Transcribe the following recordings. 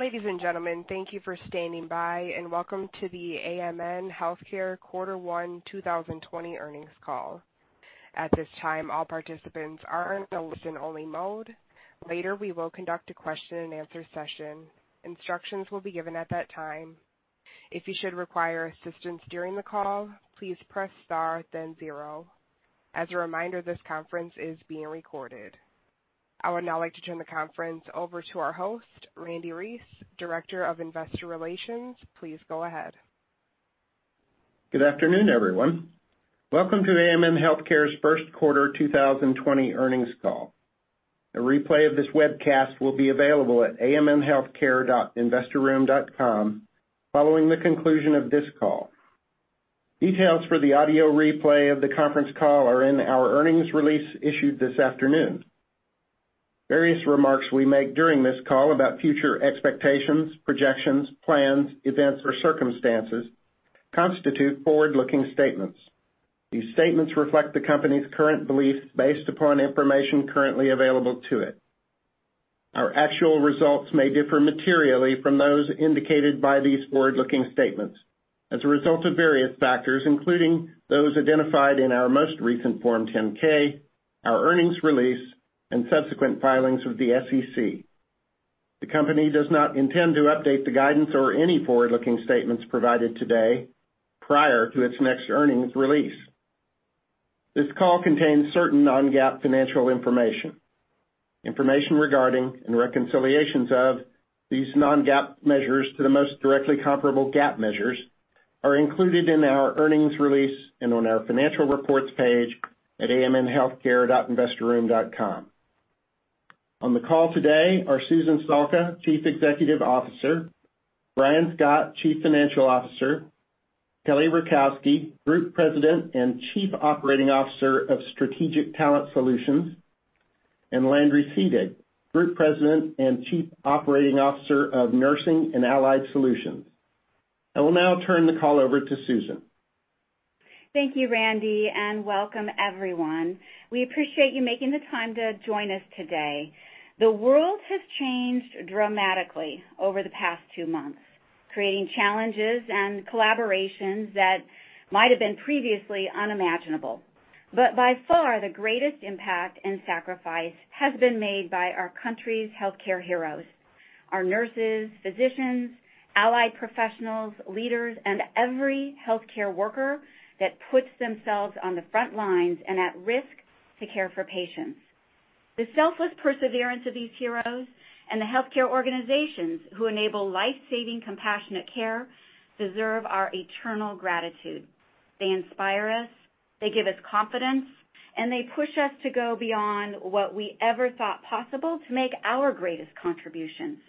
Ladies and gentlemen, thank you for standing by, and welcome to the AMN Healthcare Q1 2020 earnings call. At this time, all participants are in a listen-only mode. Later, we will conduct a question and answer session. Instructions will be given at that time. If you should require assistance during the call, please press star then zero. As a reminder, this conference is being recorded. I would now like to turn the conference over to our host, Randle Reece, Director of Investor Relations. Please go ahead. Good afternoon, everyone. Welcome to AMN Healthcare's first quarter 2020 earnings call. A replay of this webcast will be available at amnhealthcare.investorroom.com following the conclusion of this call. Details for the audio replay of the conference call are in our earnings release issued this afternoon. Various remarks we make during this call about future expectations, projections, plans, events, or circumstances constitute forward-looking statements. These statements reflect the company's current beliefs based upon information currently available to it. Our actual results may differ materially from those indicated by these forward-looking statements as a result of various factors, including those identified in our most recent Form 10-K, our earnings release, and subsequent filings with the SEC. The company does not intend to update the guidance or any forward-looking statements provided today prior to its next earnings release. This call contains certain non-GAAP financial information. Information regarding and reconciliations of these non-GAAP measures to the most directly comparable GAAP measures are included in our earnings release and on our financial reports page at amnhealthcare.investorroom.com. On the call today are Susan Salka, Chief Executive Officer, Brian Scott, Chief Financial Officer, Kelly Rakowski, Group President and Chief Operating Officer of Strategic Talent Solutions, and Landry Seedig, Group President and Chief Operating Officer of Nursing and Allied Solutions. I will now turn the call over to Susan. Thank you, Randle, and welcome everyone. We appreciate you making the time to join us today. The world has changed dramatically over the past two months, creating challenges and collaborations that might have been previously unimaginable. By far, the greatest impact and sacrifice has been made by our country's healthcare heroes, our nurses, physicians, allied professionals, leaders, and every healthcare worker that puts themselves on the front lines and at risk to care for patients. The selfless perseverance of these heroes and the healthcare organizations who enable life-saving, compassionate care deserve our eternal gratitude. They inspire us, they give us confidence, and they push us to go beyond what we ever thought possible to make our greatest contributions.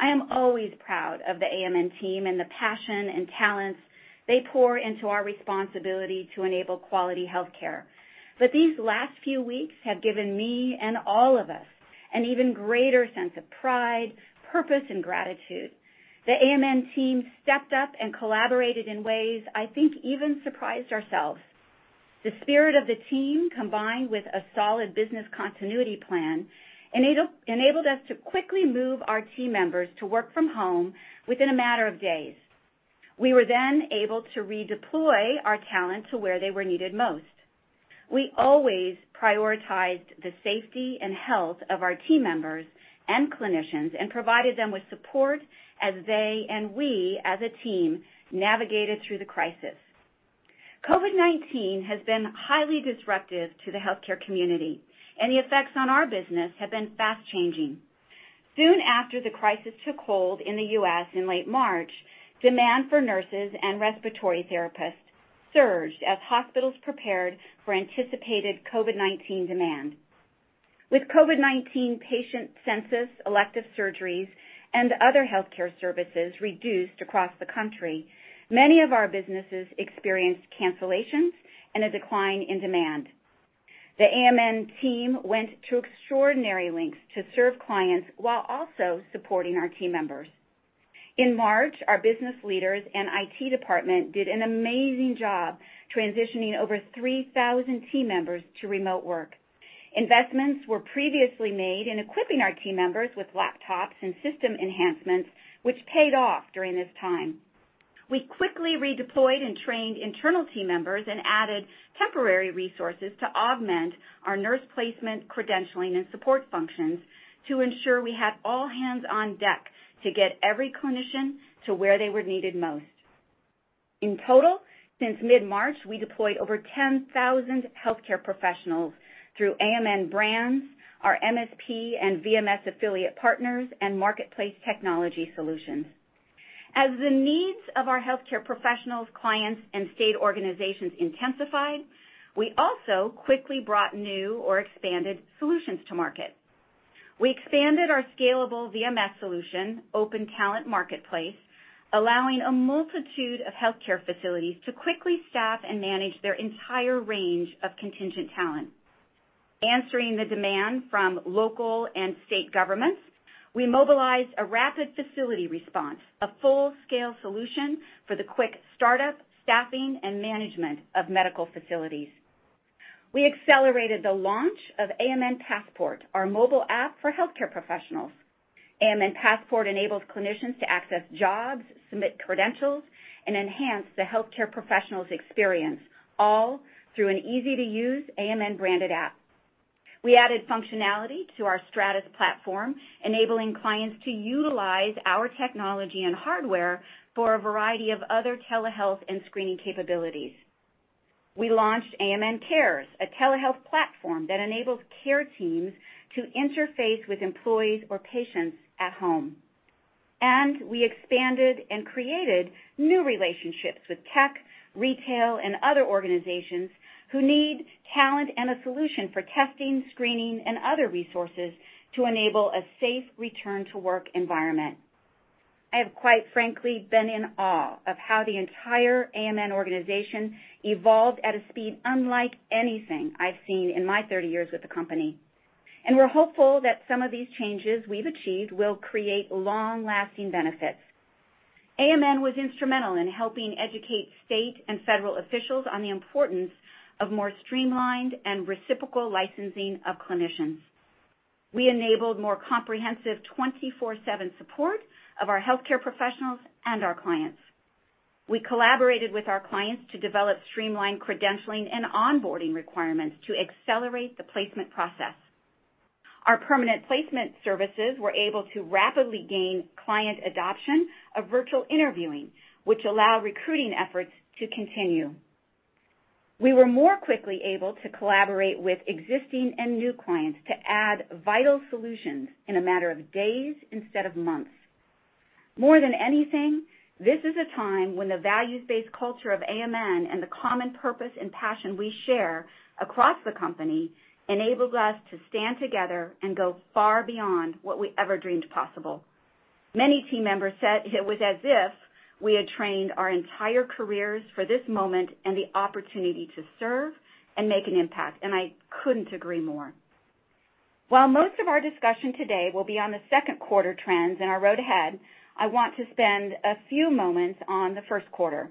I am always proud of the AMN team and the passion and talents they pour into our responsibility to enable quality healthcare. These last few weeks have given me and all of us an even greater sense of pride, purpose, and gratitude. The AMN team stepped up and collaborated in ways I think even surprised ourselves. The spirit of the team, combined with a solid business continuity plan, enabled us to quickly move our team members to work from home within a matter of days. We were then able to redeploy our talent to where they were needed most. We always prioritized the safety and health of our team members and clinicians and provided them with support as they and we as a team navigated through the crisis. COVID-19 has been highly disruptive to the healthcare community, and the effects on our business have been fast-changing. Soon after the crisis took hold in the U.S. in late March, demand for nurses and respiratory therapists surged as hospitals prepared for anticipated COVID-19 demand. With COVID-19 patient census, elective surgeries, and other healthcare services reduced across the country, many of our businesses experienced cancellations and a decline in demand. The AMN team went to extraordinary lengths to serve clients while also supporting our team members. In March, our business leaders and IT department did an amazing job transitioning over 3,000 team members to remote work. Investments were previously made in equipping our team members with laptops and system enhancements, which paid off during this time. We quickly redeployed and trained internal team members and added temporary resources to augment our nurse placement credentialing and support functions to ensure we had all hands on deck to get every clinician to where they were needed most. In total, since mid-March, we deployed over 10,000 healthcare professionals through AMN brands, our MSP and VMS affiliate partners, and marketplace technology solutions. As the needs of our healthcare professionals, clients, and state organizations intensified, we also quickly brought new or expanded solutions to market. We expanded our scalable VMS solution, Open Talent Marketplace, allowing a multitude of healthcare facilities to quickly staff and manage their entire range of contingent talent. Answering the demand from local and state governments, we mobilized a rapid facility response, a full-scale solution for the quick startup, staffing, and management of medical facilities. We accelerated the launch of AMN Passport, our mobile app for healthcare professionals. AMN Passport enables clinicians to access jobs, submit credentials, and enhance the healthcare professional's experience, all through an easy-to-use AMN-branded app. We added functionality to our Stratus platform, enabling clients to utilize our technology and hardware for a variety of other telehealth and screening capabilities. We launched AMN Cares, a telehealth platform that enables care teams to interface with employees or patients at home. We expanded and created new relationships with tech, retail, and other organizations who need talent and a solution for testing, screening, and other resources to enable a safe return-to-work environment. I have quite frankly been in awe of how the entire AMN organization evolved at a speed unlike anything I've seen in my 30 years with the company. We're hopeful that some of these changes we've achieved will create long-lasting benefits. AMN was instrumental in helping educate state and federal officials on the importance of more streamlined and reciprocal licensing of clinicians. We enabled more comprehensive 24/7 support of our healthcare professionals and our clients. We collaborated with our clients to develop streamlined credentialing and onboarding requirements to accelerate the placement process. Our permanent placement services were able to rapidly gain client adoption of virtual interviewing, which allow recruiting efforts to continue. We were more quickly able to collaborate with existing and new clients to add vital solutions in a matter of days instead of months. More than anything, this is a time when the values-based culture of AMN and the common purpose and passion we share across the company enabled us to stand together and go far beyond what we ever dreamed possible. Many team members said it was as if we had trained our entire careers for this moment and the opportunity to serve and make an impact, and I couldn't agree more. While most of our discussion today will be on the second quarter trends and our road ahead, I want to spend a few moments on the first quarter.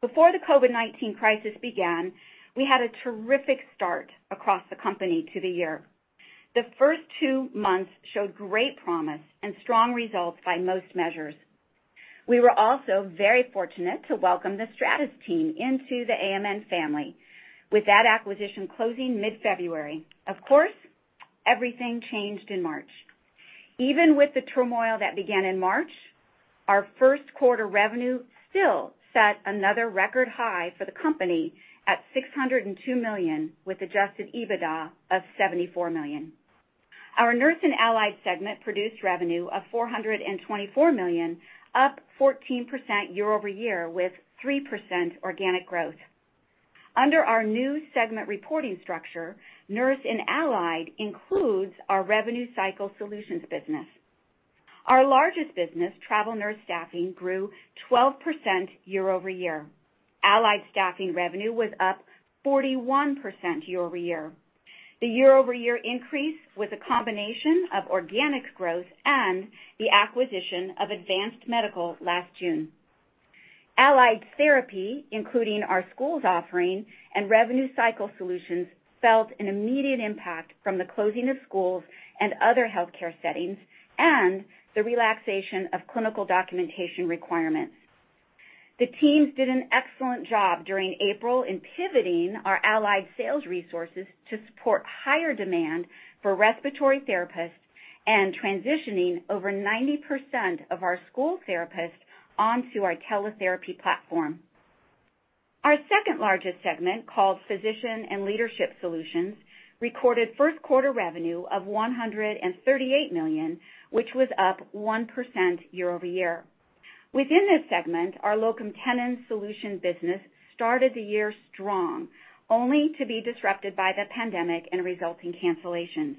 Before the COVID-19 crisis began, we had a terrific start across the company to the year. The first two months showed great promise and strong results by most measures. We were also very fortunate to welcome the Stratus team into the AMN family with that acquisition closing mid-February. Of course, everything changed in March. Even with the turmoil that began in March, our first quarter revenue still set another record high for the company at $602 million with adjusted EBITDA of $74 million. Our Nurse and Allied Solutions segment produced revenue of $424 million, up 14% year-over-year, with 3% organic growth. Under our new segment reporting structure, Nurse and Allied Solutions includes our Revenue Cycle Solutions business. Our largest business, Travel Nurse Staffing, grew 12% year-over-year. Allied staffing revenue was up 41% year-over-year. The year-over-year increase was a combination of organic growth and the acquisition of Advanced Medical last June. Allied Therapy, including our schools offering and Revenue Cycle Solutions, felt an immediate impact from the closing of schools and other healthcare settings and the relaxation of clinical documentation requirements. The teams did an excellent job during April in pivoting our allied sales resources to support higher demand for respiratory therapists and transitioning over 90% of our school therapists onto our teletherapy platform. Our second-largest segment, called Physician and Leadership Solutions, recorded first quarter revenue of $138 million, which was up 1% year-over-year. Within this segment, our Locum Tenens solution business started the year strong, only to be disrupted by the pandemic and resulting cancellations.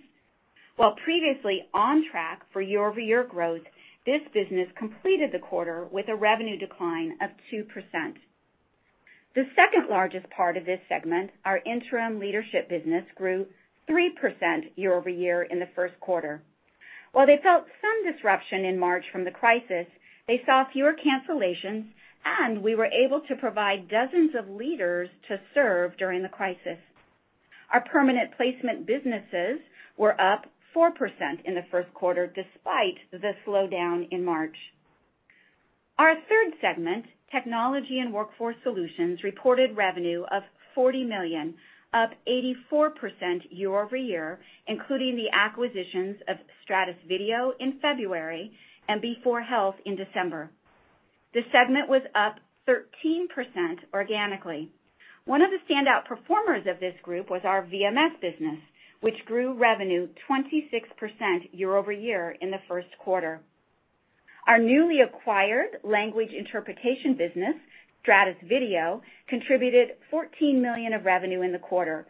While previously on track for year-over-year growth, this business completed the quarter with a revenue decline of 2%. The second-largest part of this segment, our interim leadership business, grew 3% year-over-year in the first quarter. While they felt some disruption in March from the crisis, they saw fewer cancellations, and we were able to provide dozens of leaders to serve during the crisis. Our permanent placement businesses were up 4% in the first quarter, despite the slowdown in March. Our third segment, Technology and Workforce Solutions, reported revenue of $40 million, up 84% year-over-year, including the acquisitions of Stratus Video in February and b4Health in December. The segment was up 13% organically. One of the standout performers of this group was our VMS business, which grew revenue 26% year-over-year in the first quarter. Our newly acquired language interpretation business, Stratus Video, contributed $14 million of revenue in the quarter,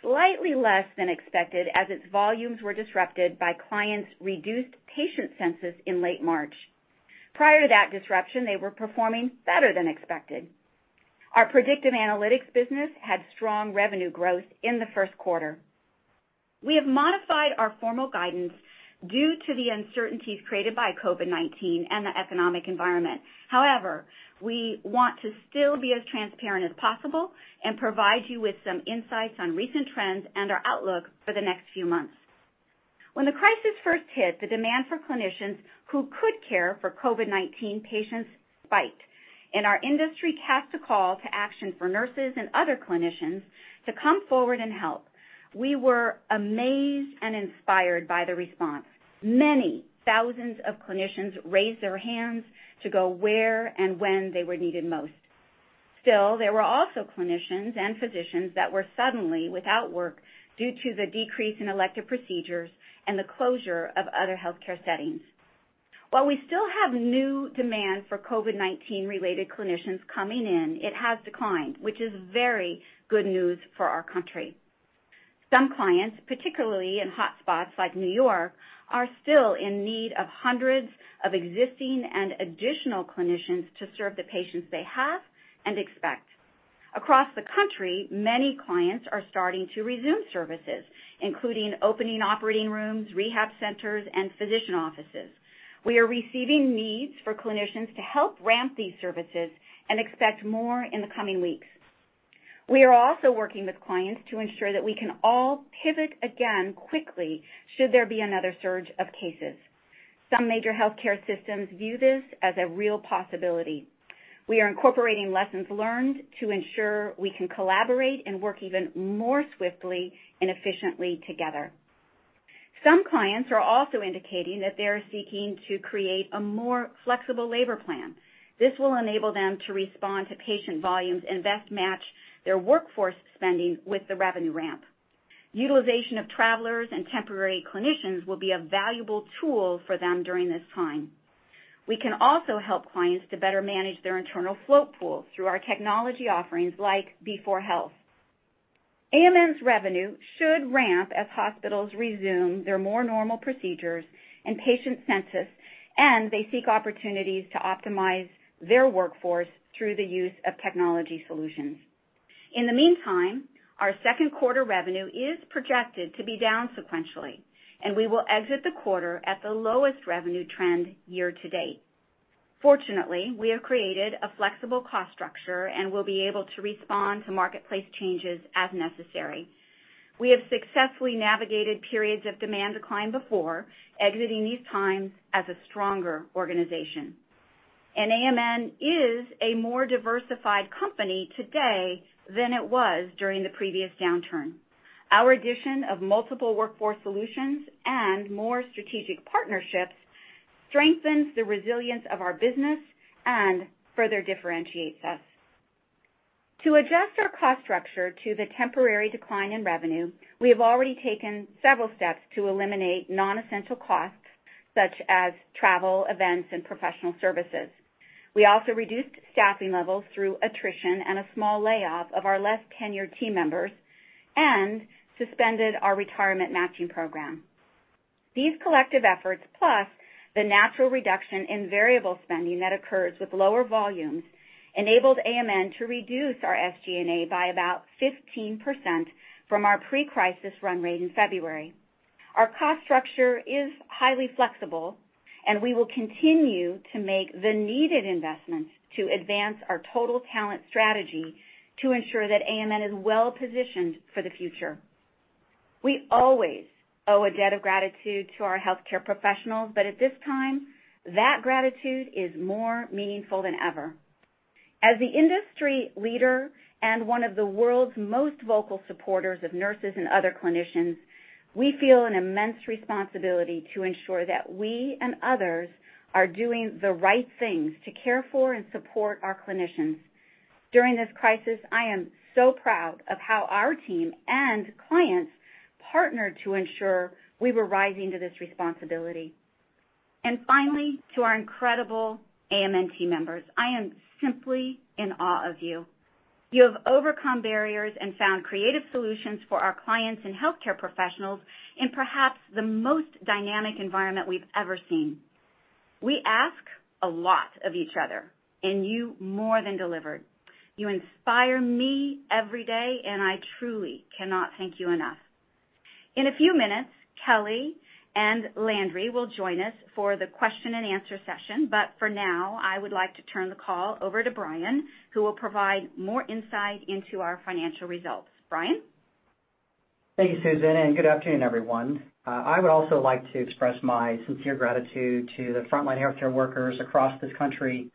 slightly less than expected as its volumes were disrupted by clients' reduced patient census in late March. Prior to that disruption, they were performing better than expected. Our predictive analytics business had strong revenue growth in the first quarter. We have modified our formal guidance due to the uncertainties created by COVID-19 and the economic environment. However, we want to still be as transparent as possible and provide you with some insights on recent trends and our outlook for the next few months. When the crisis first hit, the demand for clinicians who could care for COVID-19 patients spiked, and our industry cast a call to action for nurses and other clinicians to come forward and help. We were amazed and inspired by the response. Many thousands of clinicians raised their hands to go where and when they were needed most. Still, there were also clinicians and physicians that were suddenly without work due to the decrease in elective procedures and the closure of other healthcare settings. While we still have new demand for COVID-19 related clinicians coming in, it has declined, which is very good news for our country. Some clients, particularly in hotspots like New York, are still in need of hundreds of existing and additional clinicians to serve the patients they have and expect. Across the country, many clients are starting to resume services, including opening operating rooms, rehab centers, and physician offices. We are receiving needs for clinicians to help ramp these services and expect more in the coming weeks. We are also working with clients to ensure that we can all pivot again quickly, should there be another surge of cases. Some major healthcare systems view this as a real possibility. We are incorporating lessons learned to ensure we can collaborate and work even more swiftly and efficiently together. Some clients are also indicating that they're seeking to create a more flexible labor plan. This will enable them to respond to patient volumes and best match their workforce spending with the revenue ramp. Utilization of travelers and temporary clinicians will be a valuable tool for them during this time. We can also help clients to better manage their internal float pool through our technology offerings like b4Health. AMN's revenue should ramp as hospitals resume their more normal procedures and patient census. They seek opportunities to optimize their workforce through the use of technology solutions. In the meantime, our second quarter revenue is projected to be down sequentially, and we will exit the quarter at the lowest revenue trend year to date. Fortunately, we have created a flexible cost structure and will be able to respond to marketplace changes as necessary. We have successfully navigated periods of demand decline before, exiting these times as a stronger organization. AMN is a more diversified company today than it was during the previous downturn. Our addition of multiple workforce solutions and more strategic partnerships strengthens the resilience of our business and further differentiates us. To adjust our cost structure to the temporary decline in revenue, we have already taken several steps to eliminate non-essential costs, such as travel, events, and professional services. We also reduced staffing levels through attrition and a small layoff of our less tenured team members and suspended our retirement matching program. These collective efforts, plus the natural reduction in variable spending that occurs with lower volumes, enabled AMN to reduce our SG&A by about 15% from our pre-crisis run rate in February. Our cost structure is highly flexible, and we will continue to make the needed investments to advance our total talent strategy to ensure that AMN is well-positioned for the future. We always owe a debt of gratitude to our healthcare professionals, but at this time, that gratitude is more meaningful than ever. As the industry leader and one of the world's most vocal supporters of nurses and other clinicians, we feel an immense responsibility to ensure that we and others are doing the right things to care for and support our clinicians. During this crisis, I am so proud of how our team and clients partnered to ensure we were rising to this responsibility. Finally, to our incredible AMN team members, I am simply in awe of you. You have overcome barriers and found creative solutions for our clients and healthcare professionals in perhaps the most dynamic environment we've ever seen. We ask a lot of each other, and you more than delivered. You inspire me every day, and I truly cannot thank you enough. In a few minutes, Kelly and Landry will join us for the question and answer session. For now, I would like to turn the call over to Brian, who will provide more insight into our financial results. Brian? Thank you, Susan. Good afternoon, everyone. I would also like to express my sincere gratitude to the frontline healthcare workers across this country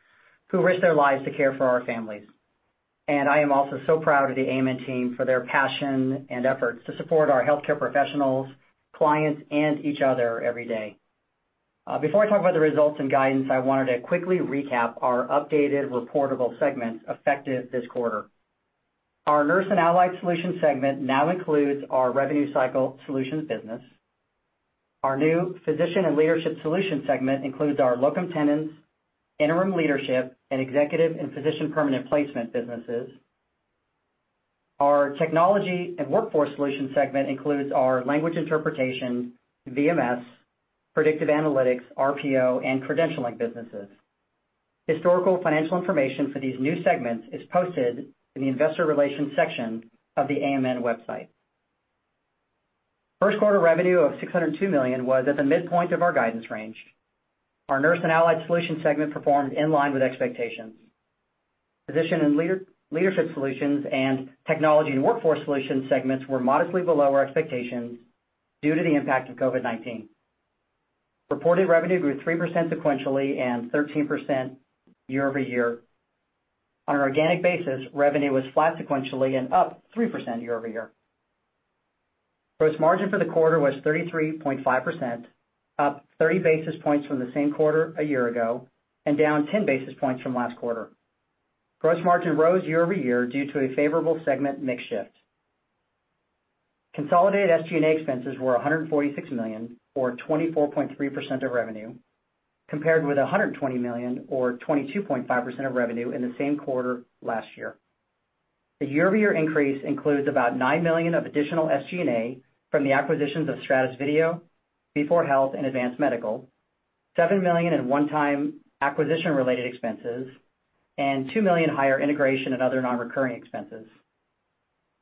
who risk their lives to care for our families. I am also so proud of the AMN team for their passion and efforts to support our healthcare professionals, clients, and each other every day. Before I talk about the results and guidance, I wanted to quickly recap our updated reportable segments effective this quarter. Our Nurse and Allied Solutions segment now includes our Revenue Cycle Solutions business. Our new Physician and Leadership Solutions segment includes our Locum Tenens, Interim Leadership, and Executive and Physician Permanent Placement businesses. Our Technology and Workforce Solutions segment includes our language interpretation, VMS, predictive analytics, RPO, and Credentialing businesses. Historical financial information for these new segments is posted in the investor relations section of the AMN website. First quarter revenue of $602 million was at the midpoint of our guidance range. Our Nurse and Allied Solutions segment performed in line with expectations. Physician and Leadership Solutions and Technology and Workforce Solutions segments were modestly below our expectations due to the impact of COVID-19. Reported revenue grew 3% sequentially and 13% year-over-year. On an organic basis, revenue was flat sequentially and up 3% year-over-year. Gross margin for the quarter was 33.5%, up 30 basis points from the same quarter a year ago, and down 10 basis points from last quarter. Gross margin rose year-over-year due to a favorable segment mix shift. Consolidated SG&A expenses were $146 million, or 24.3% of revenue, compared with $120 million, or 22.5% of revenue in the same quarter last year. The year-over-year increase includes about $9 million of additional SG&A from the acquisitions of Stratus Video, b4Health, and Advanced Medical, $7 million in one-time acquisition related expenses, and $2 million higher integration and other non-recurring expenses.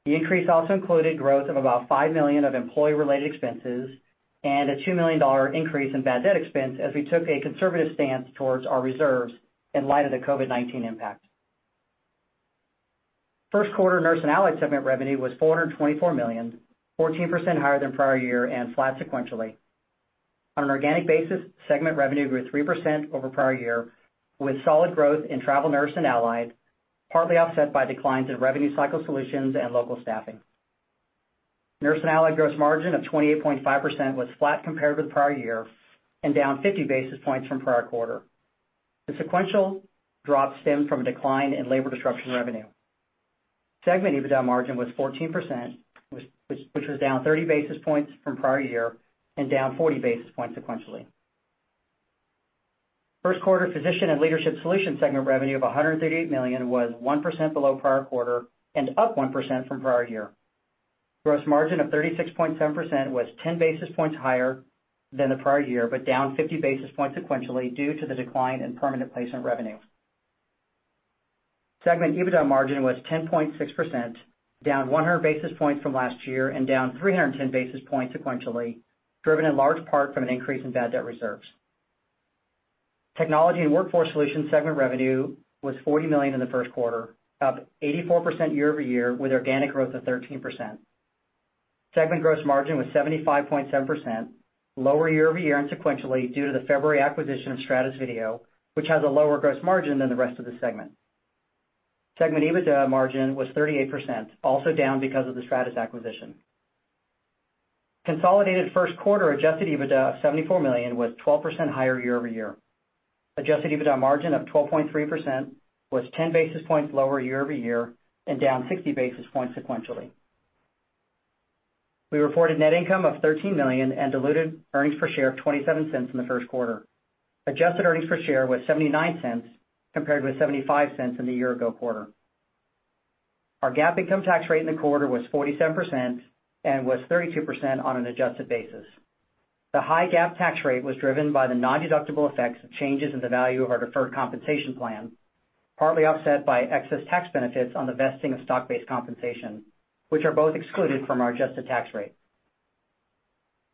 The increase also included growth of about $5 million of employee-related expenses and a $2 million increase in bad debt expense as we took a conservative stance towards our reserves in light of the COVID-19 impact. First quarter Nurse and Allied segment revenue was $424 million, 14% higher than prior year and flat sequentially. On an organic basis, segment revenue grew 3% over prior year with solid growth in travel nurse and allied, partly offset by declines in Revenue Cycle Solutions and local staffing. Nurse and Allied gross margin of 28.5% was flat compared with prior year and down 50 basis points from prior quarter. The sequential drop stemmed from a decline in labor disruption revenue. Segment EBITDA margin was 14%, which was down 30 basis points from prior year and down 40 basis points sequentially. First quarter Physician and Leadership Solutions segment revenue of $138 million was 1% below prior quarter and up 1% from prior year. Gross margin of 36.7% was 10 basis points higher than the prior year, but down 50 basis points sequentially due to the decline in permanent placement revenue. Segment EBITDA margin was 10.6%, down 100 basis points from last year and down 310 basis points sequentially, driven in large part from an increase in bad debt reserves. Technology and Workforce Solutions segment revenue was $40 million in the first quarter, up 84% year-over-year with organic growth of 13%. Segment gross margin was 75.7%, lower year over year and sequentially due to the February acquisition of Stratus Video, which has a lower gross margin than the rest of the segment. Segment EBITDA margin was 38%, also down because of the Stratus acquisition. Consolidated first quarter adjusted EBITDA of $74 million was 12% higher year over year. Adjusted EBITDA margin of 12.3% was 10 basis points lower year over year and down 60 basis points sequentially. We reported net income of $13 million and diluted earnings per share of $0.27 in the first quarter. Adjusted earnings per share was $0.79 compared with $0.75 in the year ago quarter. Our GAAP income tax rate in the quarter was 47% and was 32% on an adjusted basis. The high GAAP tax rate was driven by the non-deductible effects of changes in the value of our deferred compensation plan, partly offset by excess tax benefits on the vesting of stock-based compensation, which are both excluded from our adjusted tax rate.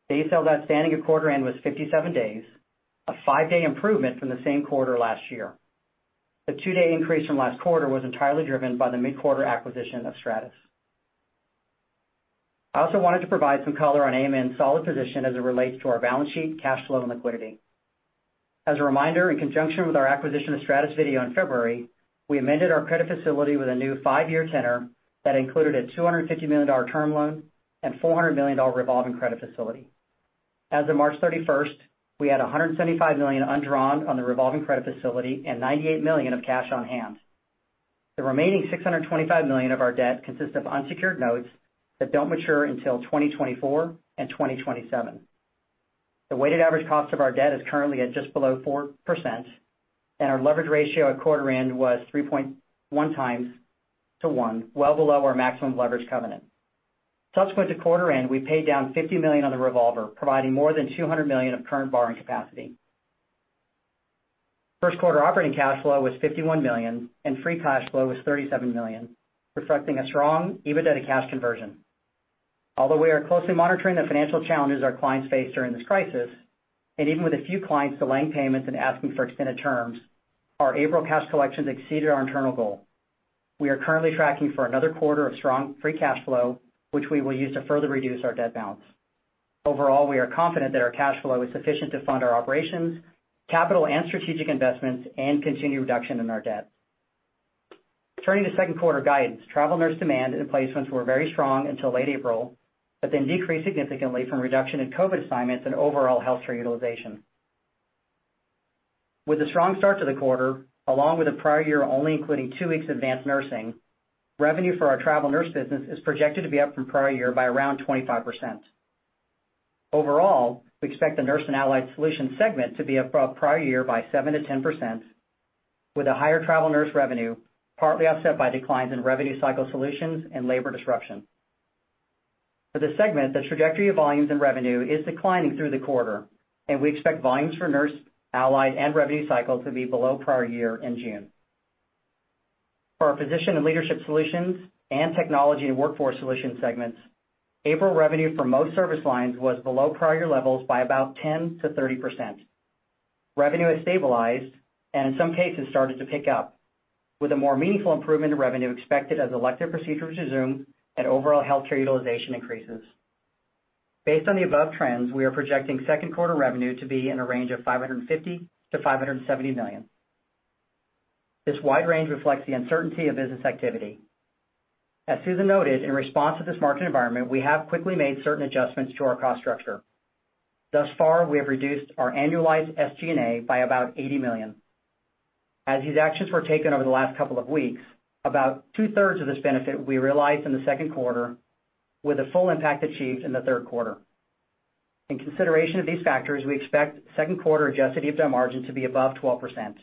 Days sales outstanding at quarter end was 57 days, a five-day improvement from the same quarter last year. The two-day increase from last quarter was entirely driven by the mid-quarter acquisition of Stratus Video. I also wanted to provide some color on AMN's solid position as it relates to our balance sheet, cash flow, and liquidity. As a reminder, in conjunction with our acquisition of Stratus Video in February, we amended our credit facility with a new five-year tenor that included a $250 million term loan and $400 million revolving credit facility. As of March 31st, we had $175 million undrawn on the revolving credit facility and $98 million of cash on hand. The remaining $625 million of our debt consists of unsecured notes that don't mature until 2024 and 2027. The weighted average cost of our debt is currently at just below 4%, and our leverage ratio at quarter end was 3.1 times to one, well below our maximum leverage covenant. Subsequent to quarter end, we paid down $50 million on the revolver, providing more than $200 million of current borrowing capacity. First quarter operating cash flow was $51 million, and free cash flow was $37 million, reflecting a strong EBITDA to cash conversion. Although we are closely monitoring the financial challenges our clients face during this crisis, and even with a few clients delaying payments and asking for extended terms, our April cash collections exceeded our internal goal. We are currently tracking for another quarter of strong free cash flow, which we will use to further reduce our debt balance. We are confident that our cash flow is sufficient to fund our operations, capital and strategic investments, and continued reduction in our debt. Turning to second quarter guidance, travel nurse demand and placements were very strong until late April, decreased significantly from reduction in COVID assignments and overall healthcare utilization. With a strong start to the quarter, along with the prior year only including two weeks Advanced Medical, revenue for our travel nurse business is projected to be up from prior year by around 25%. Overall, we expect the Nurse and Allied Solutions segment to be up over prior year by 7%-10%, with a higher travel nurse revenue, partly offset by declines in Revenue Cycle Solutions and labor disruption. For the segment, the trajectory of volumes and revenue is declining through the quarter, and we expect volumes for Nurse and Allied and Revenue Cycle to be below prior year in June. For our Physician and Leadership Solutions and Technology and Workforce Solutions segments, April revenue for most service lines was below prior year levels by about 10%-30%. Revenue has stabilized, and in some cases started to pick up, with a more meaningful improvement in revenue expected as elective procedures resume and overall healthcare utilization increases. Based on the above trends, we are projecting second quarter revenue to be in a range of $550 million-$570 million. This wide range reflects the uncertainty of business activity. As Susan noted, in response to this market environment, we have quickly made certain adjustments to our cost structure. Thus far, we have reduced our annualized SG&A by about $80 million. As these actions were taken over the last couple of weeks, about two-thirds of this benefit will be realized in the second quarter, with the full impact achieved in the third quarter. In consideration of these factors, we expect second quarter adjusted EBITDA margin to be above 12%.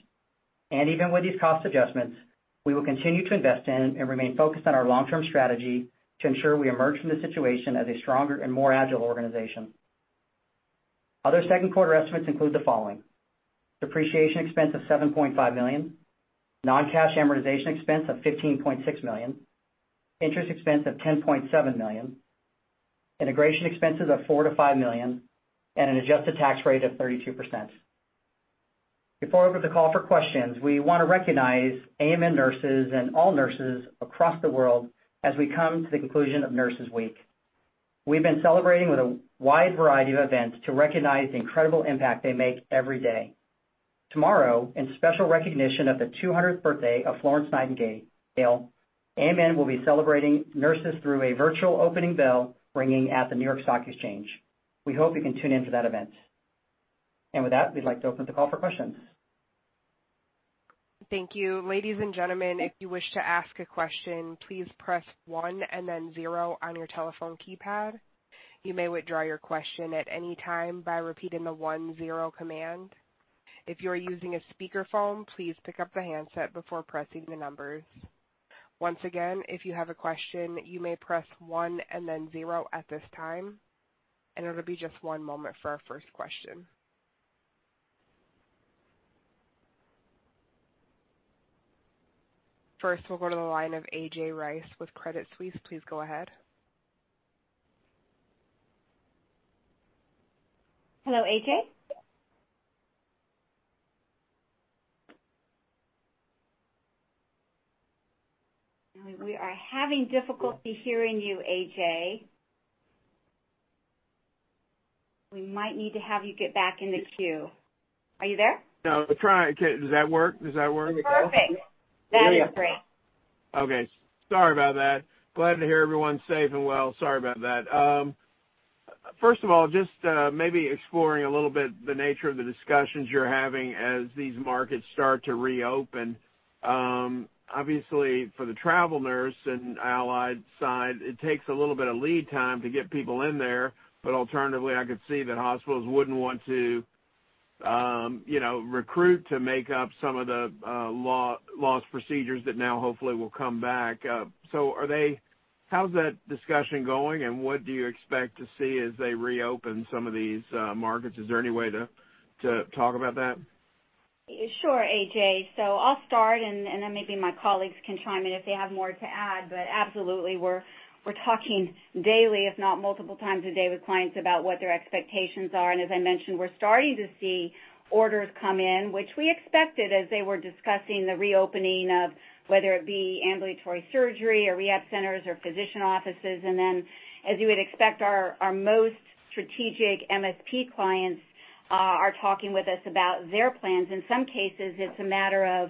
Even with these cost adjustments, we will continue to invest in and remain focused on our long-term strategy to ensure we emerge from this situation as a stronger and more agile organization. Other second quarter estimates include the following: depreciation expense of $7.5 million, non-cash amortization expense of $15.6 million, interest expense of $10.7 million, integration expenses of $4 million-$5 million, and an adjusted tax rate of 32%. Before I open the call for questions, we want to recognize AMN nurses and all nurses across the world as we come to the conclusion of Nurses Week. We've been celebrating with a wide variety of events to recognize the incredible impact they make every day. Tomorrow, in special recognition of the 200th birthday of Florence Nightingale, AMN will be celebrating nurses through a virtual opening bell ringing at the New York Stock Exchange. We hope you can tune in to that event. With that, we'd like to open the call for questions. Thank you. Ladies and gentlemen, if you wish to ask a question, please press one and then zero on your telephone keypad. You may withdraw your question at any time by repeating the one zero command. If you are using a speakerphone, please pick up the handset before pressing the numbers. Once again, if you have a question, you may press one and then zero at this time. It'll be just one moment for our first question. First, we'll go to the line of A.J. Rice with Credit Suisse. Please go ahead. Hello, A.J.? We are having difficulty hearing you, A.J. We might need to have you get back in the queue. Are you there? No, I'm trying. Okay. Does that work? Does that work? Perfect. Yeah. That is great. Okay. Sorry about that. Glad to hear everyone's safe and well. Sorry about that. First of all, just maybe exploring a little bit the nature of the discussions you're having as these markets start to reopen. Obviously, for the travel nurse and allied side, it takes a little bit of lead time to get people in there. Alternatively, I could see that hospitals wouldn't want to recruit to make up some of the lost procedures that now hopefully will come back. How's that discussion going, and what do you expect to see as they reopen some of these markets? Is there any way to talk about that? Sure, A.J. I'll start, and then maybe my colleagues can chime in if they have more to add. Absolutely, we're talking daily, if not multiple times a day, with clients about what their expectations are. As I mentioned, we're starting to see orders come in, which we expected as they were discussing the reopening of whether it be ambulatory surgery or rehab centers or physician offices. As you would expect, our most strategic MSP clients are talking with us about their plans. In some cases, it's a matter of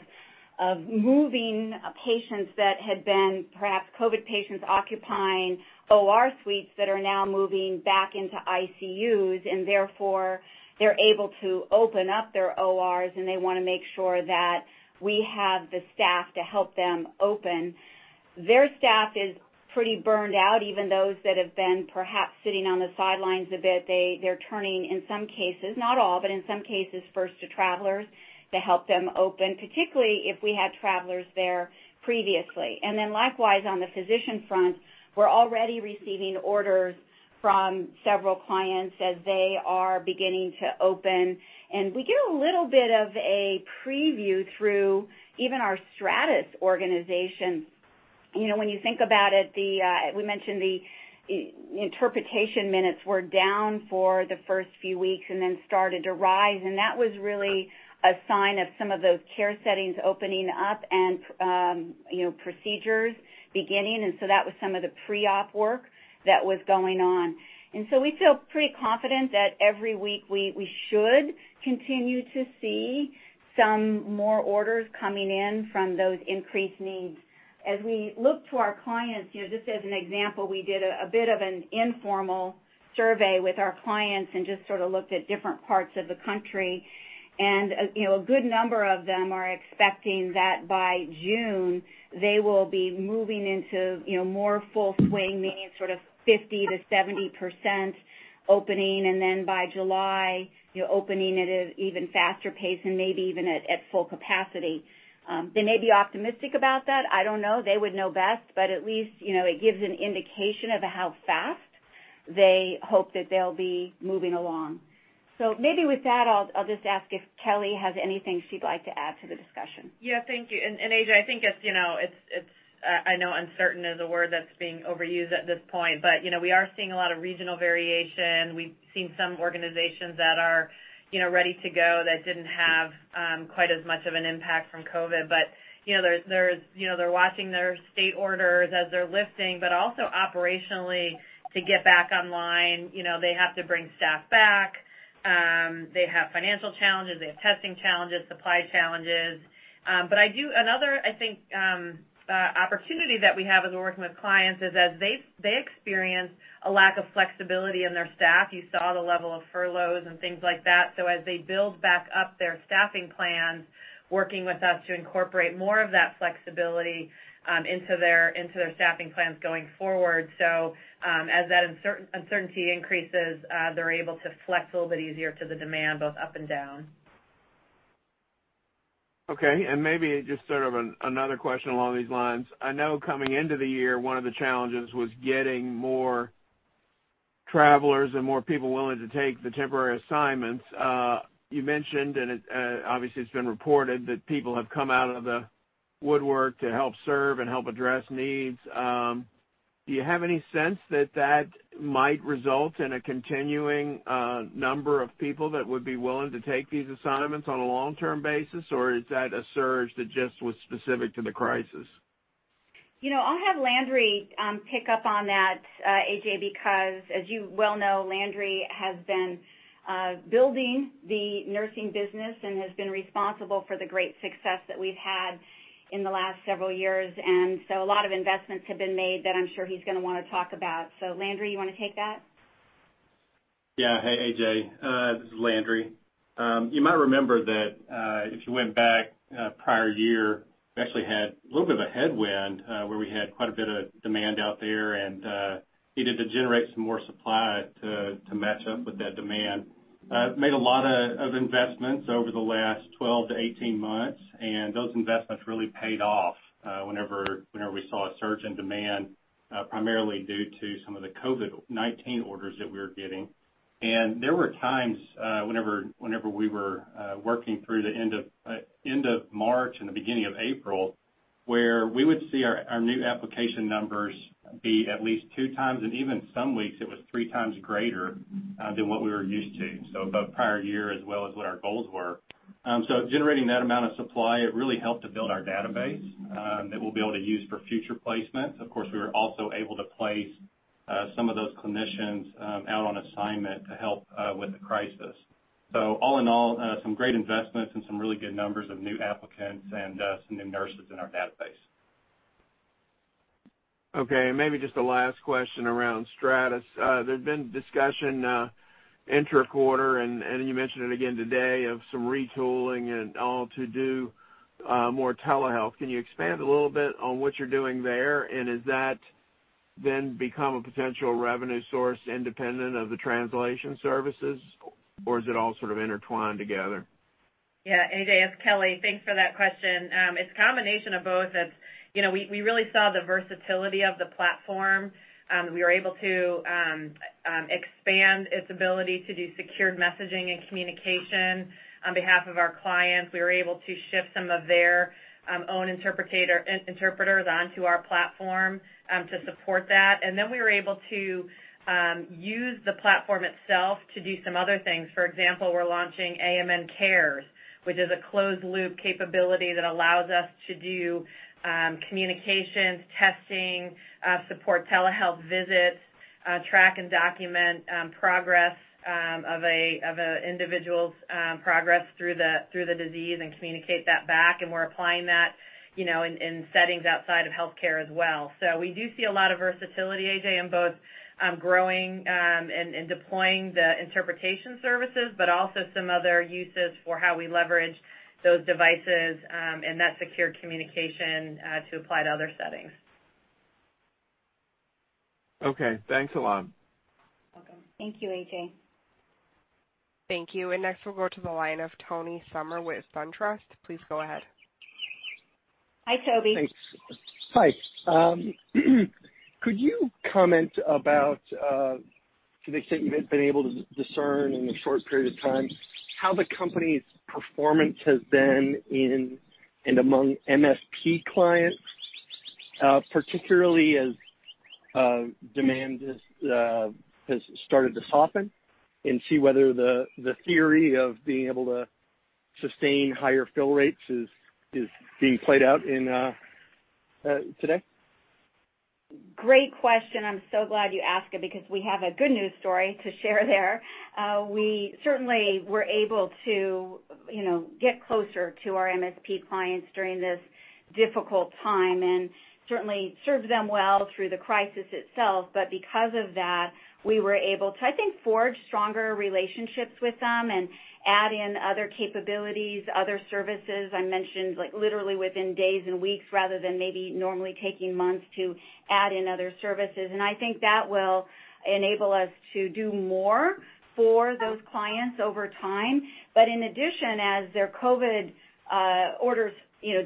moving patients that had been perhaps COVID-19 patients occupying OR suites that are now moving back into ICUs, and therefore they're able to open up their ORs, and they want to make sure that we have the staff to help them open. Their staff is pretty burned out, even those that have been perhaps sitting on the sidelines a bit. They're turning, in some cases, not all, but in some cases, first to travelers to help them open, particularly if we had travelers there previously. Likewise, on the physician front, we're already receiving orders from several clients as they are beginning to open. We get a little bit of a preview through even our Stratus organization. When you think about it, we mentioned the interpretation minutes were down for the first few weeks and then started to rise, and that was really a sign of some of those care settings opening up and procedures beginning, and so that was some of the pre-op work that was going on. We feel pretty confident that every week we should continue to see some more orders coming in from those increased needs. As we look to our clients, just as an example, we did a bit of an informal survey with our clients and just sort of looked at different parts of the country. A good number of them are expecting that by June, they will be moving into more full swing, meaning sort of 50%-70% opening, and then by July, opening at an even faster pace and maybe even at full capacity. They may be optimistic about that. I don't know. They would know best, but at least it gives an indication of how fast they hope that they'll be moving along. Maybe with that, I'll just ask if Kelly has anything she'd like to add to the discussion. Yeah, thank you. A.J., I know uncertain is a word that's being overused at this point, we are seeing a lot of regional variation. We've seen some organizations that are ready to go that didn't have quite as much of an impact from COVID. They're watching their state orders as they're lifting, but also operationally to get back online, they have to bring staff back. They have financial challenges. They have testing challenges, supply challenges. Another, I think, opportunity that we have as we're working with clients is as they experience a lack of flexibility in their staff, you saw the level of furloughs and things like that. As they build back up their staffing plans, working with us to incorporate more of that flexibility into their staffing plans going forward. As that uncertainty increases, they're able to flex a little bit easier to the demand, both up and down. Okay, maybe just sort of another question along these lines. I know coming into the year, one of the challenges was getting more travelers and more people willing to take the temporary assignments. You mentioned, and obviously it's been reported that people have come out of the woodwork to help serve and help address needs. Do you have any sense that that might result in a continuing number of people that would be willing to take these assignments on a long-term basis? Or is that a surge that just was specific to the crisis? I'll have Landry pick up on that, A.J., because as you well know, Landry has been building the nursing business and has been responsible for the great success that we've had in the last several years. A lot of investments have been made that I'm sure he's going to want to talk about. Landry, you want to take that? Yeah. Hey, A.J. This is Landry. You might remember that, if you went back prior year, we actually had a little bit of a headwind, where we had quite a bit of demand out there and needed to generate some more supply to match up with that demand. Made a lot of investments over the last 12-18 months, those investments really paid off whenever we saw a surge in demand, primarily due to some of the COVID-19 orders that we were getting. There were times, whenever we were working through the end of March and the beginning of April, where we would see our new application numbers be at least two times, and even some weeks it was three times greater than what we were used to, both prior year as well as what our goals were. Generating that amount of supply, it really helped to build our database that we'll be able to use for future placements. Of course, we were also able to place some of those clinicians out on assignment to help with the crisis. All in all, some great investments and some really good numbers of new applicants and some new nurses in our database. Okay, maybe just a last question around Stratus. There's been discussion inter-quarter, and you mentioned it again today, of some retooling and all to do more telehealth. Can you expand a little bit on what you're doing there? Is that then become a potential revenue source independent of the translation services? Is it all sort of intertwined together? Yeah. A.J., it's Kelly. Thanks for that question. It's a combination of both. We really saw the versatility of the platform. We were able to expand its ability to do secured messaging and communication on behalf of our clients. We were able to shift some of their own interpreters onto our platform to support that. We were able to use the platform itself to do some other things. For example, we're launching AMN Cares, which is a closed loop capability that allows us to do communications, testing, support telehealth visits, track and document progress of an individual's progress through the disease and communicate that back, and we're applying that in settings outside of healthcare as well. We do see a lot of versatility, A.J., in both growing and deploying the interpretation services, but also some other uses for how we leverage those devices, and that secure communication to apply to other settings. Okay, thanks a lot. Welcome. Thank you, A.J. Thank you. Next we'll go to the line of Tommy Summers with SunTrust. Please go ahead. Hi, Tommy. Thanks. Hi. Could you comment about, to the extent you've been able to discern in the short period of time, how the company's performance has been in and among MSP clients, particularly as demand has started to soften, and see whether the theory of being able to sustain higher fill rates is being played out today? Great question. I'm so glad you asked it because we have a good news story to share there. We certainly were able to get closer to our MSP clients during this difficult time, and certainly served them well through the crisis itself, but because of that, we were able to, I think, forge stronger relationships with them and add in other capabilities, other services I mentioned, literally within days and weeks rather than maybe normally taking months to add in other services. I think that will enable us to do more for those clients over time. In addition, as their COVID orders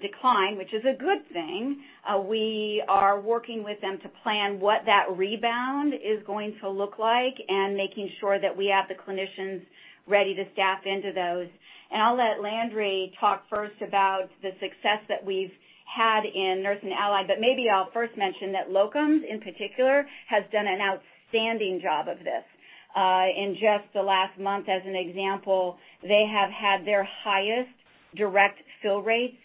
decline, which is a good thing, we are working with them to plan what that rebound is going to look like and making sure that we have the clinicians ready to staff into those. I'll let Landry talk first about the success that we've had in Nurse & Allied, but maybe I'll first mention that Locums, in particular, has done an outstanding job of this. In just the last month, as an example, they have had their highest direct fill rates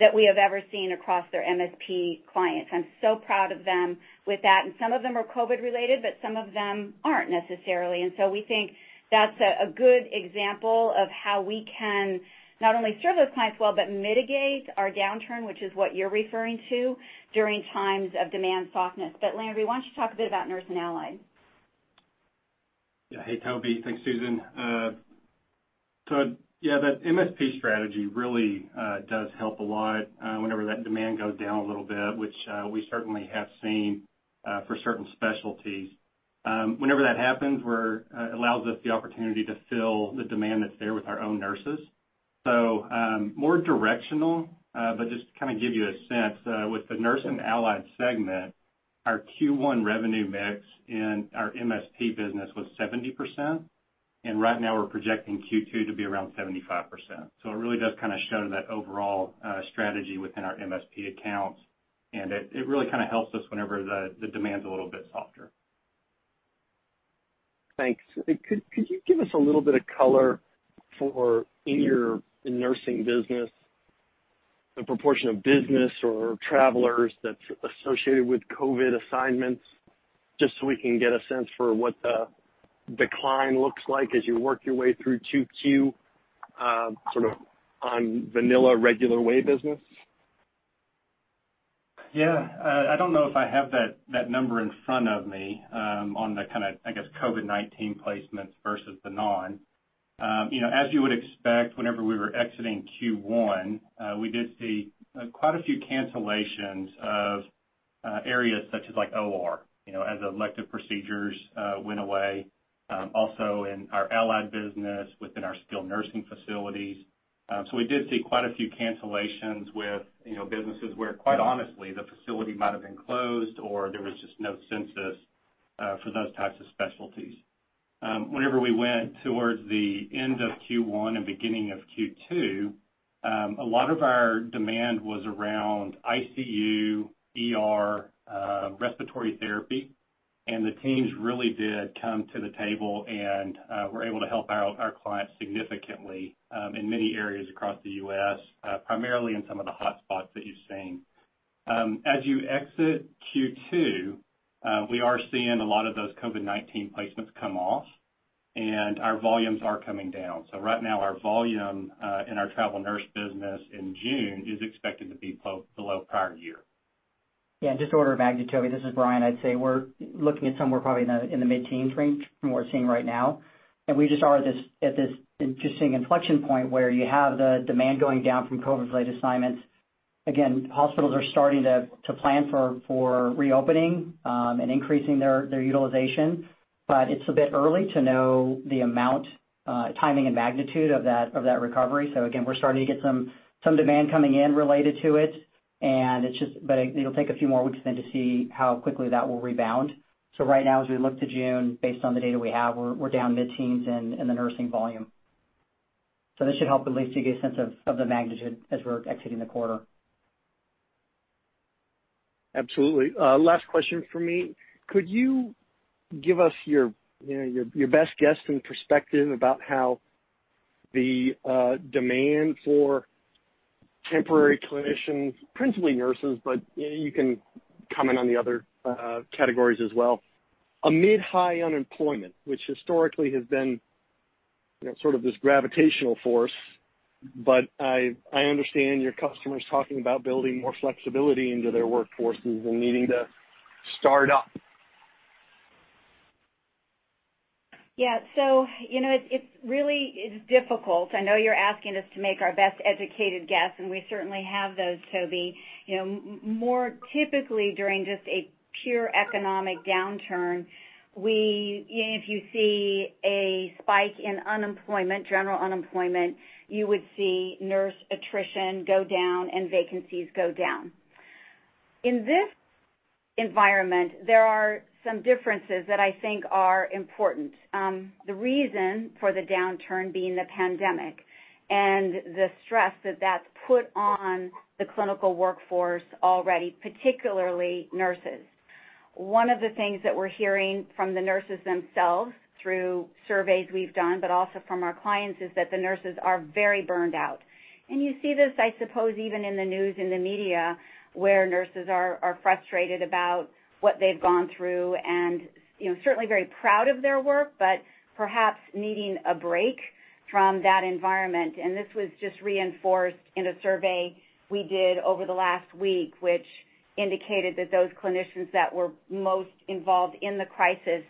that we have ever seen across their MSP clients. I'm so proud of them with that, and some of them are COVID related, but some of them aren't necessarily. We think that's a good example of how we can not only serve those clients well but mitigate our downturn, which is what you're referring to during times of demand softness. Landry, why don't you talk a bit about Nurse & Allied? Yeah. Hey, Tommy. Thanks, Susan. Tommy, yeah, that MSP strategy really does help a lot whenever that demand goes down a little bit, which we certainly have seen for certain specialties. Whenever that happens, allows us the opportunity to fill the demand that's there with our own nurses. More directional, but just to kind of give you a sense, with the Nurse & Allied Solutions, our Q1 revenue mix in our MSP business was 70%, and right now we're projecting Q2 to be around 75%. It really does kind of show that overall strategy within our MSP accounts, and it really kind of helps us whenever the demand's a little bit softer. Thanks. Could you give us a little bit of color for in your nursing business, the proportion of business or travelers that's associated with COVID assignments, just so we can get a sense for what the decline looks like as you work your way through 2Q, sort of on vanilla, regular way business? Yeah. I don't know if I have that number in front of me on the kind of, I guess, COVID-19 placements versus the non. As you would expect, whenever we were exiting Q1, we did see quite a few cancellations of areas such as OR, as elective procedures went away. Also in our Allied business within our skilled nursing facilities. We did see quite a few cancellations with businesses where, quite honestly, the facility might have been closed or there was just no census for those types of specialties. Whenever we went towards the end of Q1 and beginning of Q2, a lot of our demand was around ICU, ER, respiratory therapy, and the teams really did come to the table and were able to help our clients significantly, in many areas across the U.S., primarily in some of the hotspots that you've seen. As you exit Q2, we are seeing a lot of those COVID-19 placements come off, and our volumes are coming down. Right now, our volume in our travel nurse business in June is expected to be below prior year. Just order of magnitude, Tommy, this is Brian. I'd say we're looking at somewhere probably in the mid-teens range from what we're seeing right now. We just are at this interesting inflection point where you have the demand going down from COVID-related assignments. Again, hospitals are starting to plan for reopening, and increasing their utilization. It's a bit early to know the amount, timing, and magnitude of that recovery. Again, we're starting to get some demand coming in related to it, but it'll take a few more weeks then to see how quickly that will rebound. Right now, as we look to June, based on the data we have, we're down mid-teens in the nursing volume. This should help at least to get a sense of the magnitude as we're exiting the quarter. Absolutely. Last question from me. Could you give us your best guess and perspective about how the demand for temporary clinicians, principally nurses, but you can comment on the other categories as well, amid high unemployment, which historically has been sort of this gravitational force, but I understand your customers talking about building more flexibility into their workforces and needing to start up? Yeah. It really is difficult. I know you're asking us to make our best educated guess, and we certainly have those, Tommy. More typically during just a pure economic downturn, if you see a spike in unemployment, general unemployment, you would see nurse attrition go down and vacancies go down. In this environment, there are some differences that I think are important. The reason for the downturn being the pandemic and the stress that that's put on the clinical workforce already, particularly nurses. One of the things that we're hearing from the nurses themselves through surveys we've done, but also from our clients, is that the nurses are very burned out. You see this, I suppose, even in the news, in the media, where nurses are frustrated about what they've gone through and certainly very proud of their work, but perhaps needing a break from that environment. This was just reinforced in a survey we did over the last week, which indicated that those clinicians that were most involved in the crisis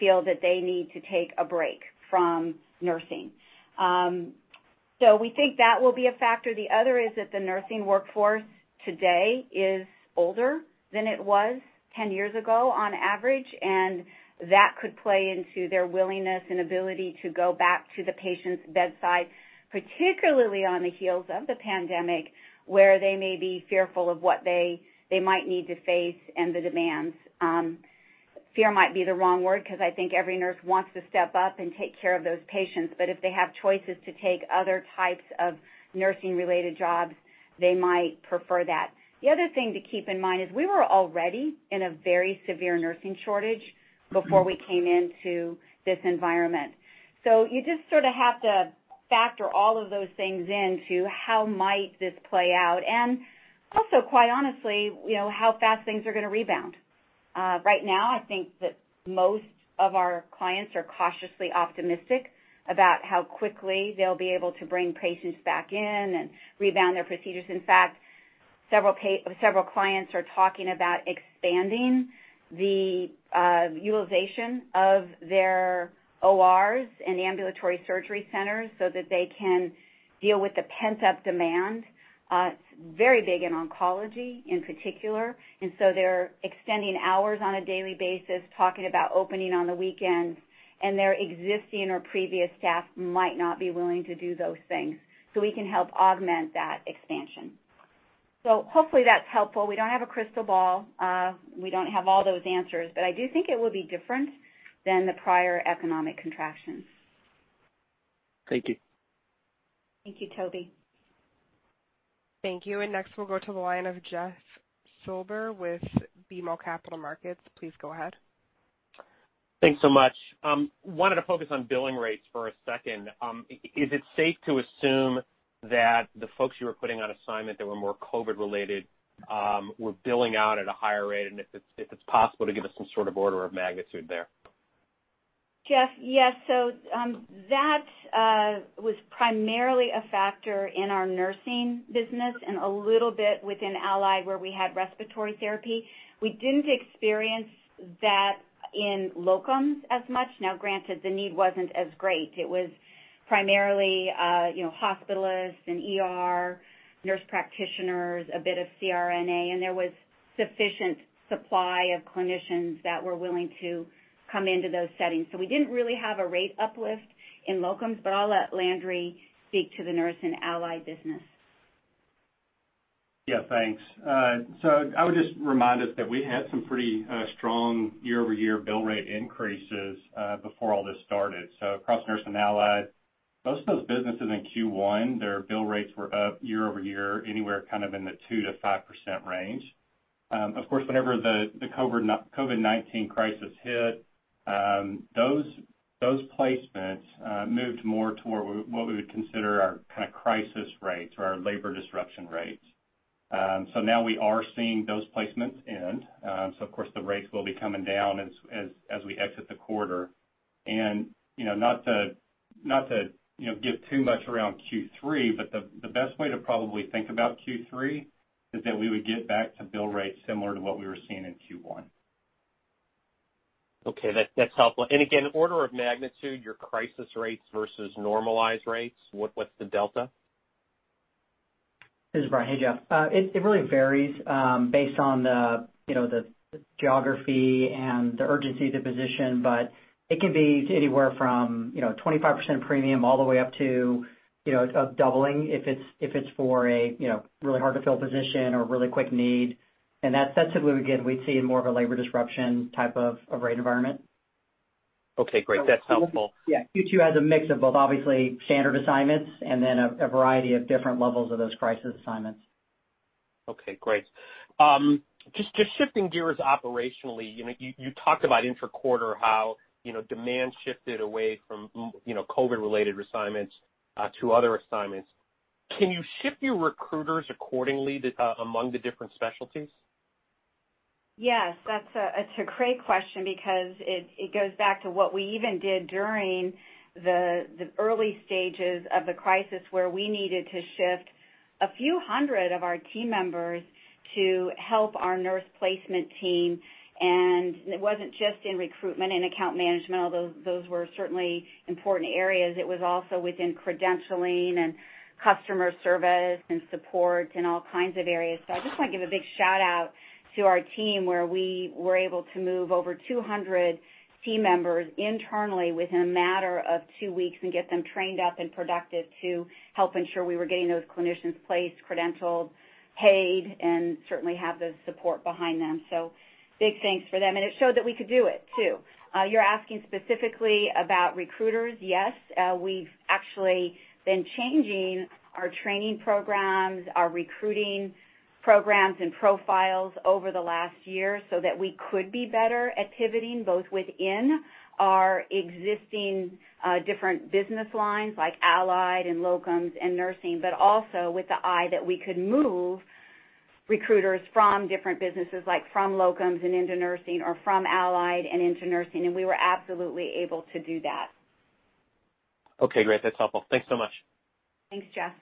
feel that they need to take a break from nursing. We think that will be a factor. The other is that the nursing workforce today is older than it was 10 years ago on average, and that could play into their willingness and ability to go back to the patient's bedside, particularly on the heels of the pandemic, where they may be fearful of what they might need to face and the demands. Fear might be the wrong word because I think every nurse wants to step up and take care of those patients, but if they have choices to take other types of nursing-related jobs, they might prefer that. The other thing to keep in mind is we were already in a very severe nursing shortage before we came into this environment. You just sort of have to factor all of those things into how might this play out, and also quite honestly, how fast things are going to rebound. Right now, I think that most of our clients are cautiously optimistic about how quickly they'll be able to bring patients back in and rebound their procedures. In fact, several clients are talking about expanding the utilization of their ORs and ambulatory surgery centers so that they can deal with the pent-up demand. It's very big in oncology in particular, and so they're extending hours on a daily basis, talking about opening on the weekends, and their existing or previous staff might not be willing to do those things. We can help augment that expansion. Hopefully that's helpful. We don't have a crystal ball. We don't have all those answers, but I do think it will be different than the prior economic contractions. Thank you. Thank you, Tommy. Thank you. Next we'll go to the line of Jeff Silber with BMO Capital Markets. Please go ahead. Thanks so much. I wanted to focus on billing rates for a second. Is it safe to assume that the folks you were putting on assignment that were more COVID related were billing out at a higher rate? If it's possible to give us some sort of order of magnitude there. Jeff, yes. That was primarily a factor in our nursing business and a little bit within allied where we had respiratory therapy. We didn't experience that in locums as much. Granted, the need wasn't as great. It was primarily hospitalists and ER nurse practitioners, a bit of CRNA, and there was sufficient supply of clinicians that were willing to come into those settings. We didn't really have a rate uplift in locums, but I'll let Landry Seedig speak to the Nurse and Allied business. Yeah, thanks. I would just remind us that we had some pretty strong year-over-year bill rate increases before all this started. Across nurse and allied, most of those businesses in Q1, their bill rates were up year-over-year, anywhere kind of in the 2%-5% range. Of course, whenever the COVID-19 crisis hit, those placements moved more toward what we would consider our kind of crisis rates or our labor disruption rates. Now we are seeing those placements end. Of course, the rates will be coming down as we exit the quarter. Not to give too much around Q3, but the best way to probably think about Q3 is that we would get back to bill rates similar to what we were seeing in Q1. Okay, that's helpful. Again, order of magnitude, your crisis rates versus normalized rates, what's the delta? This is Brian. Hey, Jeff. It really varies based on the geography and the urgency of the position, but it can be anywhere from 25% premium all the way up to a doubling if it's for a really hard-to-fill position or a really quick need. That's typically, again, we'd see in more of a labor disruption type of rate environment. Okay, great. That's helpful. Yeah. Q2 has a mix of both, obviously, standard assignments and then a variety of different levels of those crisis assignments. Okay, great. Shifting gears operationally, you talked about intra-quarter how demand shifted away from COVID-related assignments to other assignments. Can you shift your recruiters accordingly among the different specialties? Yes, that's a great question because it goes back to what we even did during the early stages of the crisis where we needed to shift a few hundred of our team members to help our nurse placement team, and it wasn't just in recruitment and account management, although those were certainly important areas. It was also within credentialing and customer service and support and all kinds of areas. I just want to give a big shout-out to our team where we were able to move over 200 team members internally within a matter of two weeks and get them trained up and productive to help ensure we were getting those clinicians placed, credentialed, paid, and certainly have the support behind them. Big thanks for them. It showed that we could do it too. You're asking specifically about recruiters. Yes. We've actually been changing our training programs, our recruiting programs and profiles over the last year so that we could be better at pivoting both within our existing different business lines like allied and locums and nursing, but also with the eye that we could move recruiters from different businesses, like from locums and into nursing or from allied and into nursing, and we were absolutely able to do that. Okay, great. That's helpful. Thanks so much. Thanks, Jeff.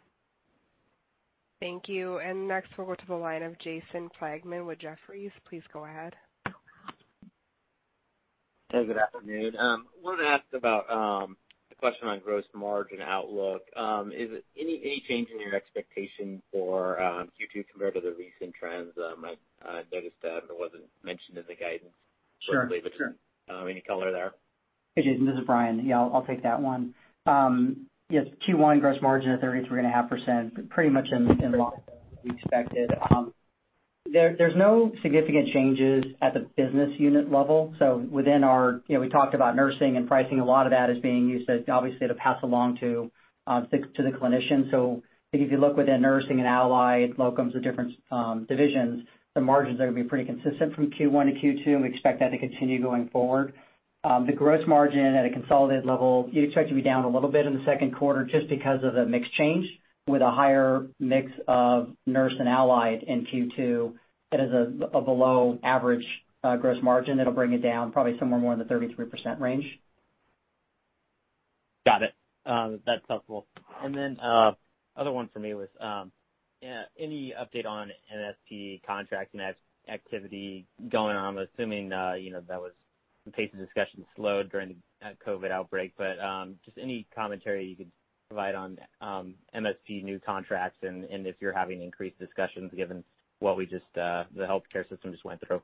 Thank you. Next we'll go to the line of Jason Plagman with Jefferies. Please go ahead. Hey, good afternoon. I wanted to ask about the question on gross margin outlook. Is it any change in your expectation for Q2 compared to the recent trends? I noticed that it wasn't mentioned in the guidance. Sure briefly, but any color there? Hey, Jason, this is Brian. Yeah, I'll take that one. Yes, Q1 gross margin at 33.5%, pretty much in line with what we expected. There's no significant changes at the business unit level. We talked about nursing and pricing. A lot of that is being used, obviously, to pass along to the clinicians. If you look within Nurse and Allied, locums or different divisions, the margins are going to be pretty consistent from Q1 to Q2, and we expect that to continue going forward. The gross margin at a consolidated level, you expect to be down a little bit in the second quarter just because of the mix change with a higher mix of Nurse and Allied in Q2. That is a below-average gross margin. That'll bring it down probably somewhere more in the 33% range. Got it. That's helpful. Other one for me was, any update on MSP contracting activity going on? I'm assuming that was in case the discussion slowed during the COVID-19 outbreak. Any commentary you could provide on MSP new contracts and if you're having increased discussions given what the healthcare system just went through.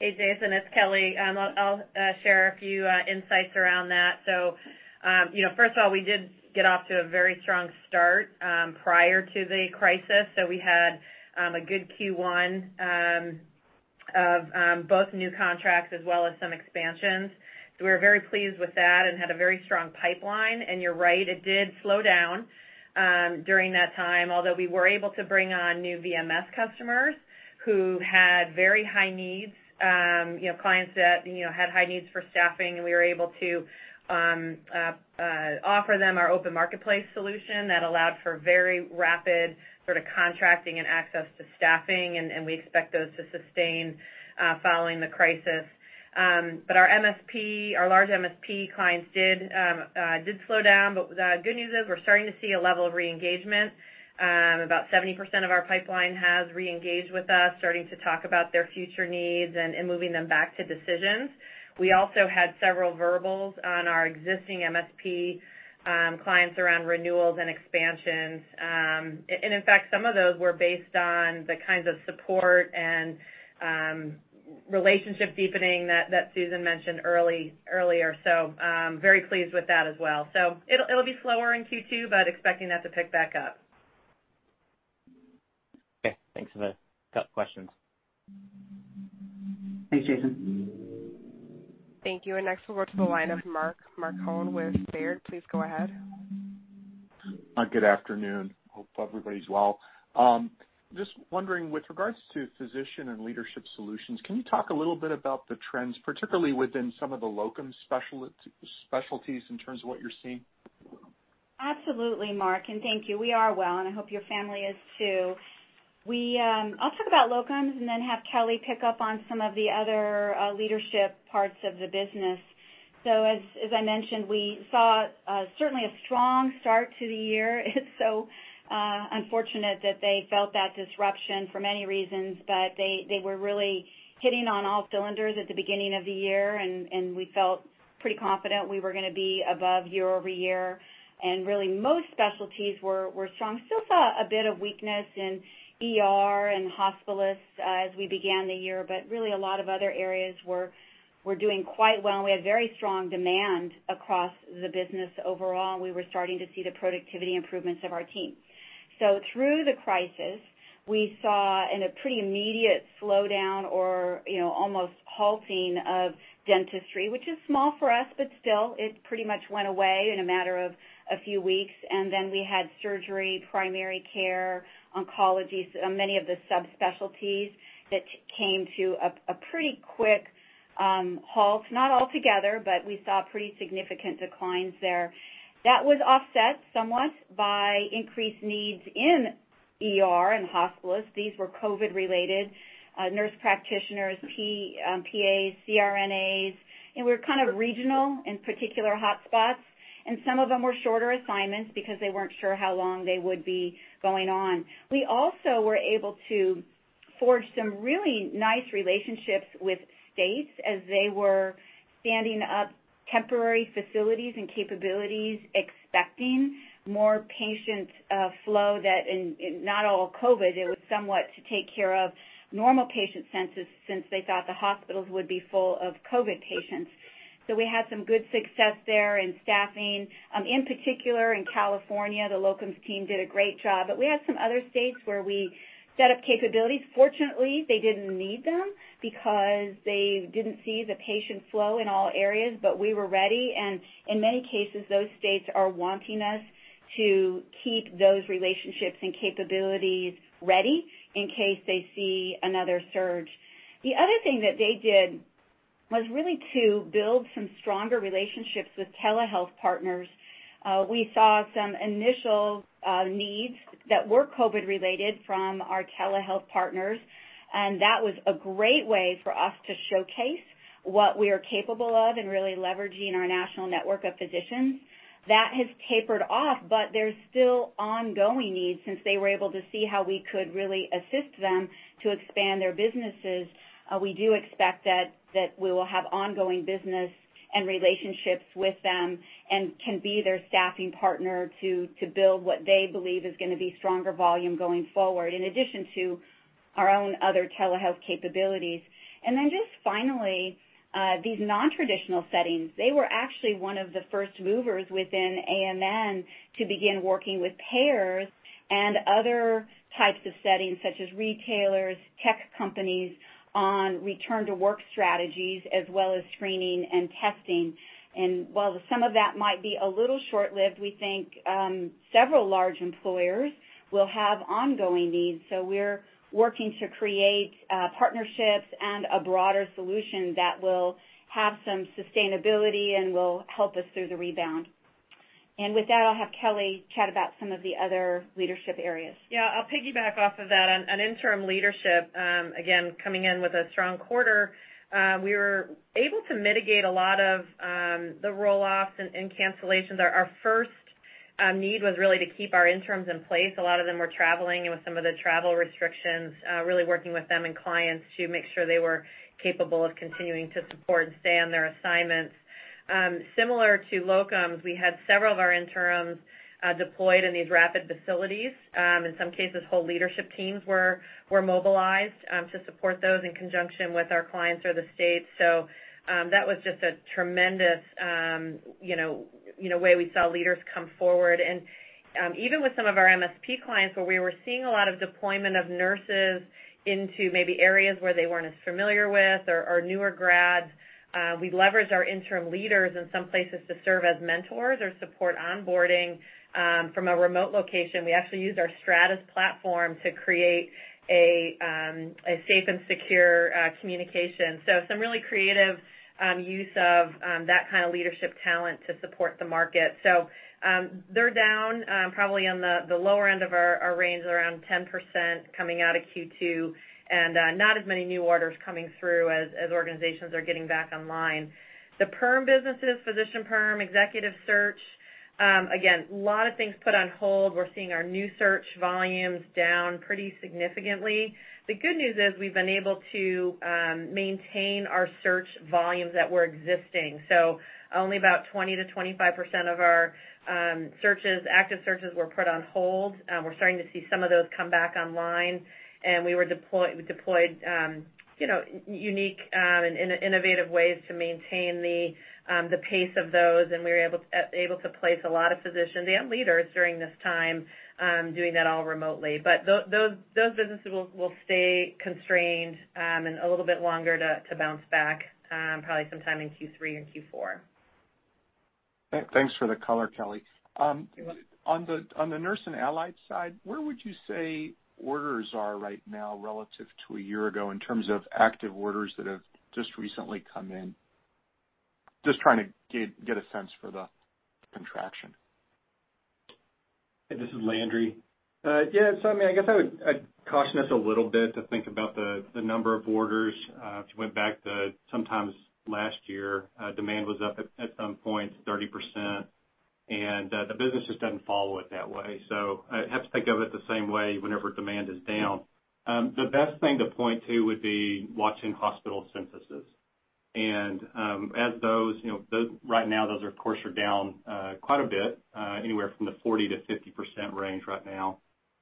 Hey, Jason, it's Kelly. I'll share a few insights around that. First of all, we did get off to a very strong start prior to the crisis. We had a good Q1 of both new contracts as well as some expansions. We were very pleased with that and had a very strong pipeline. You're right, it did slow down during that time, although we were able to bring on new VMS customers who had very high needs. Clients that had high needs for staffing, we were able to offer them our Open Talent Marketplace solution that allowed for very rapid sort of contracting and access to staffing, and we expect those to sustain following the crisis. Our large MSP clients did slow down. The good news is we're starting to see a level of re-engagement. About 70% of our pipeline has re-engaged with us, starting to talk about their future needs and moving them back to decisions. We also had several verbals on our existing MSP clients around renewals and expansions. In fact, some of those were based on the kinds of support and relationship deepening that Susan mentioned earlier. Very pleased with that as well. It'll be slower in Q2, but expecting that to pick back up. Okay, thanks for that. Got questions. Thanks, Jason. Thank you. Next we'll go to the line of Mark Marcon with Baird. Please go ahead. Mark, good afternoon. Hope everybody's well. Just wondering, with regards to Physician and Leadership Solutions, can you talk a little bit about the trends, particularly within some of the locum specialties in terms of what you're seeing? Absolutely, Mark, and thank you. We are well, and I hope your family is too. I'll talk about locums and then have Kelly pick up on some of the other leadership parts of the business. As I mentioned, we saw certainly a strong start to the year. It's so unfortunate that they felt that disruption for many reasons, but they were really hitting on all cylinders at the beginning of the year, and we felt pretty confident we were going to be above year-over-year. Really most specialties were strong. Still saw a bit of weakness in ER and hospitalists as we began the year, but really a lot of other areas were doing quite well, and we had very strong demand across the business overall, and we were starting to see the productivity improvements of our team. Through the crisis, we saw in a pretty immediate slowdown or almost halting of dentistry, which is small for us, but still, it pretty much went away in a matter of a few weeks. We had surgery, primary care, oncology, so many of the subspecialties that came to a pretty quick halt. Not altogether, we saw pretty significant declines there. That was offset somewhat by increased needs in ER and hospitalists. These were COVID related, nurse practitioners, PAs, CRNAs, and were kind of regional in particular hotspots, and some of them were shorter assignments because they weren't sure how long they would be going on. We also were able to forge some really nice relationships with states as they were standing up temporary facilities and capabilities, expecting more patient flow that, not all COVID-19, it was somewhat to take care of normal patient census since they thought the hospitals would be full of COVID-19 patients. We had some good success there in staffing. In particular in California, the Locums team did a great job. We had some other states where we set up capabilities. Fortunately, they didn't need them because they didn't see the patient flow in all areas. We were ready, and in many cases, those states are wanting us to keep those relationships and capabilities ready in case they see another surge. The other thing that they did was really to build some stronger relationships with telehealth partners. We saw some initial needs that were COVID-19 related from our telehealth partners. That was a great way for us to showcase what we are capable of and really leveraging our national network of physicians. That has tapered off, there's still ongoing needs since they were able to see how we could really assist them to expand their businesses. We do expect that we will have ongoing business and relationships with them and can be their staffing partner to build what they believe is going to be stronger volume going forward, in addition to our own other telehealth capabilities. Just finally, these non-traditional settings. They were actually one of the first movers within AMN to begin working with payers and other types of settings such as retailers, tech companies, on return-to-work strategies, as well as screening and testing. While some of that might be a little short-lived, we think several large employers will have ongoing needs. We're working to create partnerships and a broader solution that will have some sustainability and will help us through the rebound. With that, I'll have Kelly chat about some of the other leadership areas. Yeah, I'll piggyback off of that. On interim leadership, again, coming in with a strong quarter, we were able to mitigate a lot of the roll-offs and cancellations. Our first need was really to keep our interims in place. A lot of them were traveling and with some of the travel restrictions, really working with them and clients to make sure they were capable of continuing to support and stay on their assignments. Similar to locums, we had several of our interims deployed in these rapid facilities. In some cases, whole leadership teams were mobilized to support those in conjunction with our clients or the states. That was just a tremendous way we saw leaders come forward. Even with some of our MSP clients, where we were seeing a lot of deployment of nurses into maybe areas where they weren't as familiar with or newer grads, we leveraged our interim leaders in some places to serve as mentors or support onboarding from a remote location. We actually used our Stratus platform to create a safe and secure communication. Some really creative use of that kind of leadership talent to support the market. They're down probably on the lower end of our range, around 10% coming out of Q2, and not as many new orders coming through as organizations are getting back online. The perm businesses, physician perm, executive search, again, a lot of things put on hold. We're seeing our new search volumes down pretty significantly. The good news is we've been able to maintain our search volumes that were existing. Only about 20%-25% of our active searches were put on hold. We're starting to see some of those come back online, and we deployed unique and innovative ways to maintain the pace of those, and we were able to place a lot of physicians and leaders during this time doing that all remotely. Those businesses will stay constrained and a little bit longer to bounce back, probably sometime in Q3 or Q4. Thanks for the color, Kelly. You're welcome. On the Nurse and Allied side, where would you say orders are right now relative to a year ago in terms of active orders that have just recently come in? Just trying to get a sense for the contraction. This is Landry. Yeah, I guess I would caution us a little bit to think about the number of orders. If you went back to sometimes last year, demand was up at some point 30%, the business just doesn't follow it that way. I have to think of it the same way whenever demand is down. The best thing to point to would be watching hospital censuses. Right now, those, of course, are down quite a bit, anywhere from the 40%-50% range right now.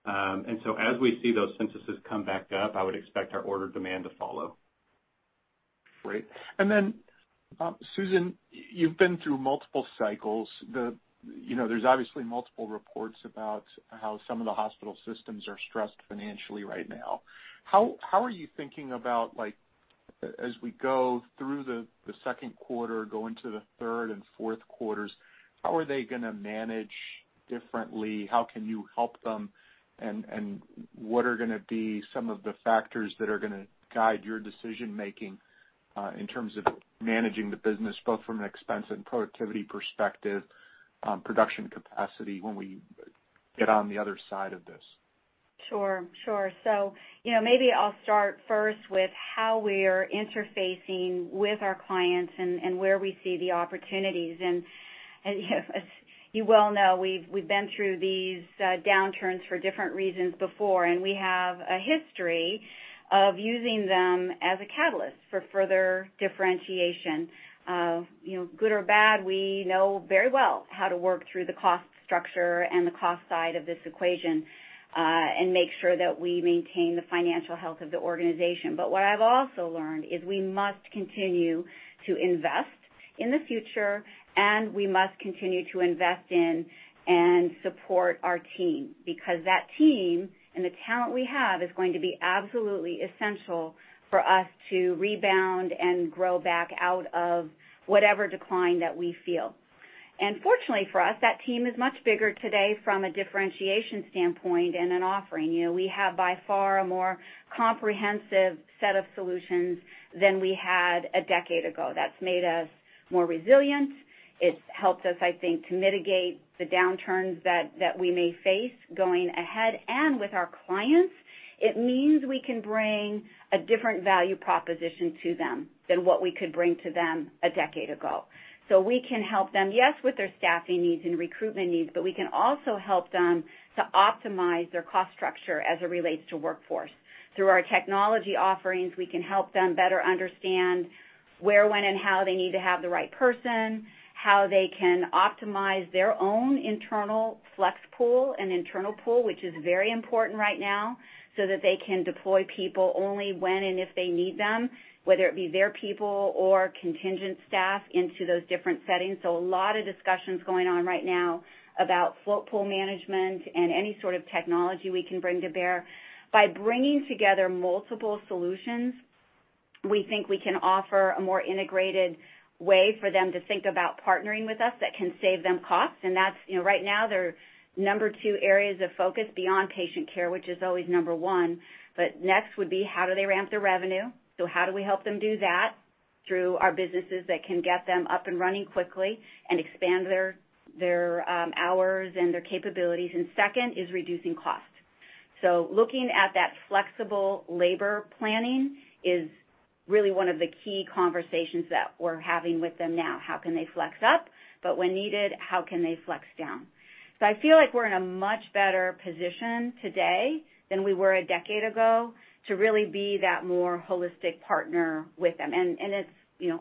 As we see those censuses come back up, I would expect our order demand to follow. Great. Susan, you've been through multiple cycles. There's obviously multiple reports about how some of the hospital systems are stressed financially right now. How are you thinking about as we go through the second quarter, go into the third and fourth quarters, how are they going to manage differently? How can you help them? What are going to be some of the factors that are going to guide your decision-making in terms of managing the business, both from an expense and productivity perspective, production capacity, when we get on the other side of this? Sure. Maybe I'll start first with how we're interfacing with our clients and where we see the opportunities. As you well know, we've been through these downturns for different reasons before, and we have a history of using them as a catalyst for further differentiation. Good or bad, we know very well how to work through the cost structure and the cost side of this equation, and make sure that we maintain the financial health of the organization. What I've also learned is we must continue to invest in the future, and we must continue to invest in and support our team, because that team and the talent we have is going to be absolutely essential for us to rebound and grow back out of whatever decline that we feel. Fortunately for us, that team is much bigger today from a differentiation standpoint and an offering. We have by far a more comprehensive set of solutions than we had a decade ago. That's made us more resilient. It's helped us, I think, to mitigate the downturns that we may face going ahead. With our clients, it means we can bring a different value proposition to them than what we could bring to them a decade ago. We can help them, yes, with their staffing needs and recruitment needs, but we can also help them to optimize their cost structure as it relates to workforce. Through our technology offerings, we can help them better understand where, when, and how they need to have the right person, how they can optimize their own internal flex pool and internal pool, which is very important right now, so that they can deploy people only when and if they need them, whether it be their people or contingent staff into those different settings. A lot of discussions going on right now about float pool management and any sort of technology we can bring to bear. By bringing together multiple solutions, we think we can offer a more integrated way for them to think about partnering with us that can save them costs. Right now, their number 2 areas of focus beyond patient care, which is always number 1, but next would be how do they ramp their revenue. How do we help them do that through our businesses that can get them up and running quickly and expand their hours and their capabilities. Second is reducing cost. Looking at that flexible labor planning is really one of the key conversations that we're having with them now. How can they flex up, but when needed, how can they flex down? I feel like we're in a much better position today than we were a decade ago to really be that more holistic partner with them. It's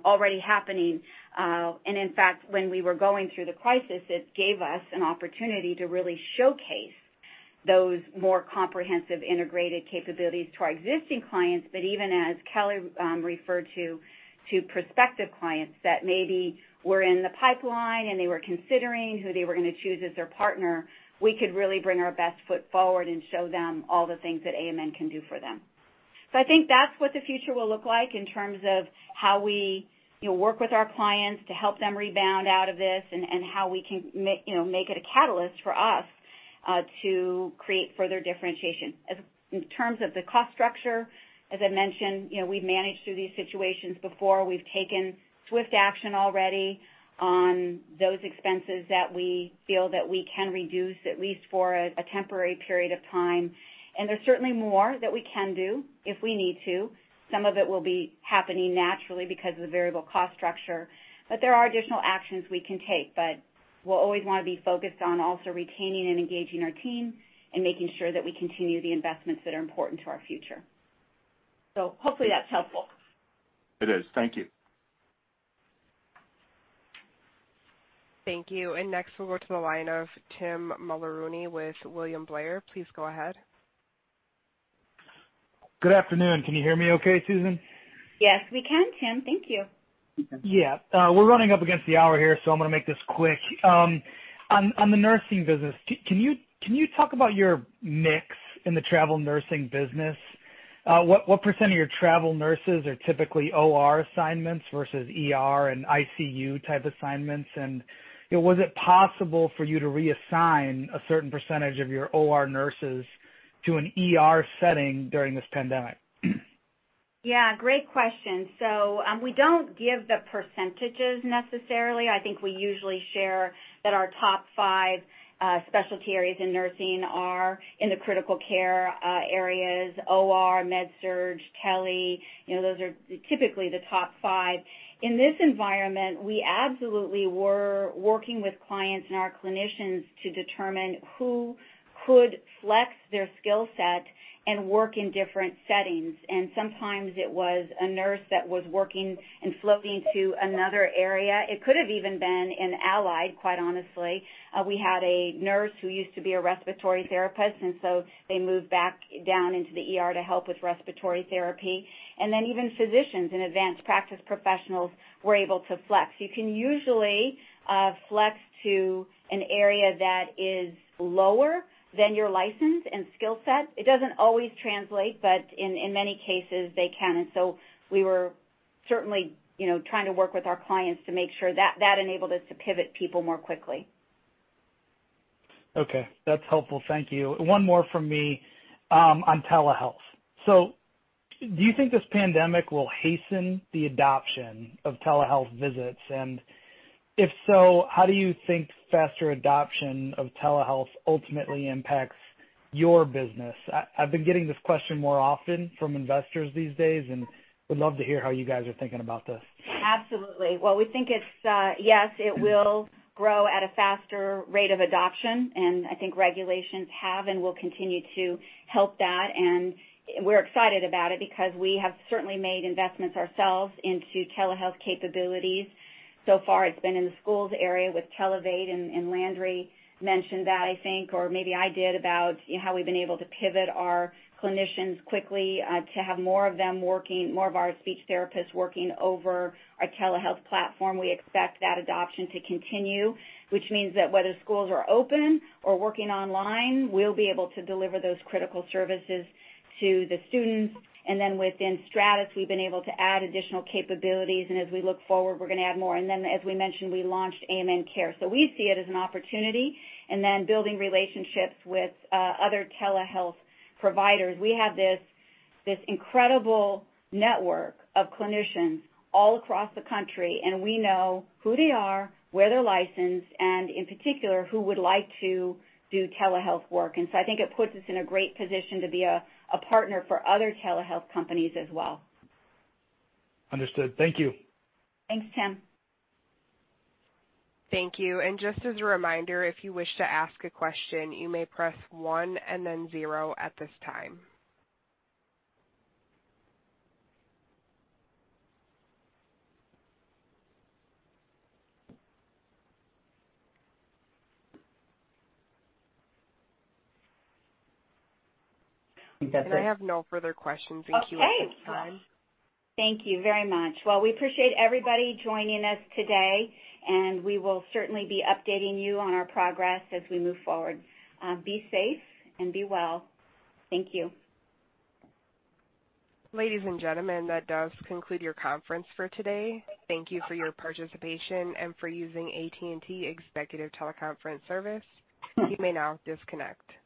already happening. In fact, when we were going through the crisis, it gave us an opportunity to really showcase those more comprehensive integrated capabilities to our existing clients, but even as Kelly referred to prospective clients that maybe were in the pipeline, and they were considering who they were going to choose as their partner, we could really bring our best foot forward and show them all the things that AMN can do for them. I think that's what the future will look like in terms of how we work with our clients to help them rebound out of this and how we can make it a catalyst for us, to create further differentiation. In terms of the cost structure, as I mentioned, we've managed through these situations before. We've taken swift action already on those expenses that we feel that we can reduce, at least for a temporary period of time. There's certainly more that we can do if we need to. Some of it will be happening naturally because of the variable cost structure, but there are additional actions we can take. We'll always want to be focused on also retaining and engaging our team and making sure that we continue the investments that are important to our future. Hopefully that's helpful. It is. Thank you. Thank you. Next we'll go to the line of Tim Mulrooney with William Blair. Please go ahead. Good afternoon. Can you hear me okay, Susan? Yes, we can, Tim. Thank you. Yeah. We're running up against the hour here, so I'm going to make this quick. On the nursing business, can you talk about your mix in the travel nursing business? What percentage of your travel nurses are typically OR assignments versus ER and ICU type assignments? Was it possible for you to reassign a certain percent of your OR nurses to an ER setting during this pandemic? Yeah, great question. We don't give the percentages necessarily. I think we usually share that our top five specialty areas in nursing are in the critical care areas, OR, med surg, tele. Those are typically the top five. In this environment, we absolutely were working with clients and our clinicians to determine who could flex their skill set and work in different settings. Sometimes it was a nurse that was working and floating to another area. It could have even been an allied, quite honestly. We had a nurse who used to be a respiratory therapist, and so they moved back down into the ER to help with respiratory therapy. Even physicians and advanced practice professionals were able to flex. You can usually flex to an area that is lower than your license and skill set. It doesn't always translate, but in many cases, they can. We were certainly trying to work with our clients to make sure that enabled us to pivot people more quickly. Okay. That's helpful. Thank you. One more from me on telehealth. Do you think this pandemic will hasten the adoption of telehealth visits? If so, how do you think faster adoption of telehealth ultimately impacts your business? I've been getting this question more often from investors these days, and would love to hear how you guys are thinking about this. Absolutely. Well, we think, yes, it will grow at a faster rate of adoption, and I think regulations have and will continue to help that. We're excited about it because we have certainly made investments ourselves into telehealth capabilities. So far, it's been in the schools area with Televate, and Landry Seedig mentioned that, I think, or maybe I did, about how we've been able to pivot our clinicians quickly to have more of our speech therapists working over our telehealth platform. We expect that adoption to continue, which means that whether schools are open or working online, we'll be able to deliver those critical services to the students. Within Stratus, we've been able to add additional capabilities, and as we look forward, we're going to add more. As we mentioned, we launched AMN Cares. We see it as an opportunity, and then building relationships with other telehealth providers. We have this incredible network of clinicians all across the country, and we know who they are, where they're licensed, and in particular, who would like to do telehealth work. I think it puts us in a great position to be a partner for other telehealth companies as well. Understood. Thank you. Thanks, Tim. Thank you. Just as a reminder, if you wish to ask a question, you may press one and then zero at this time. I have no further questions. Thank you all for your time. Okay. Thank you very much. Well, we appreciate everybody joining us today, and we will certainly be updating you on our progress as we move forward. Be safe and be well. Thank you. Ladies and gentlemen, that does conclude your conference for today. Thank you for your participation and for using AT&T Executive Teleconference Service. You may now disconnect.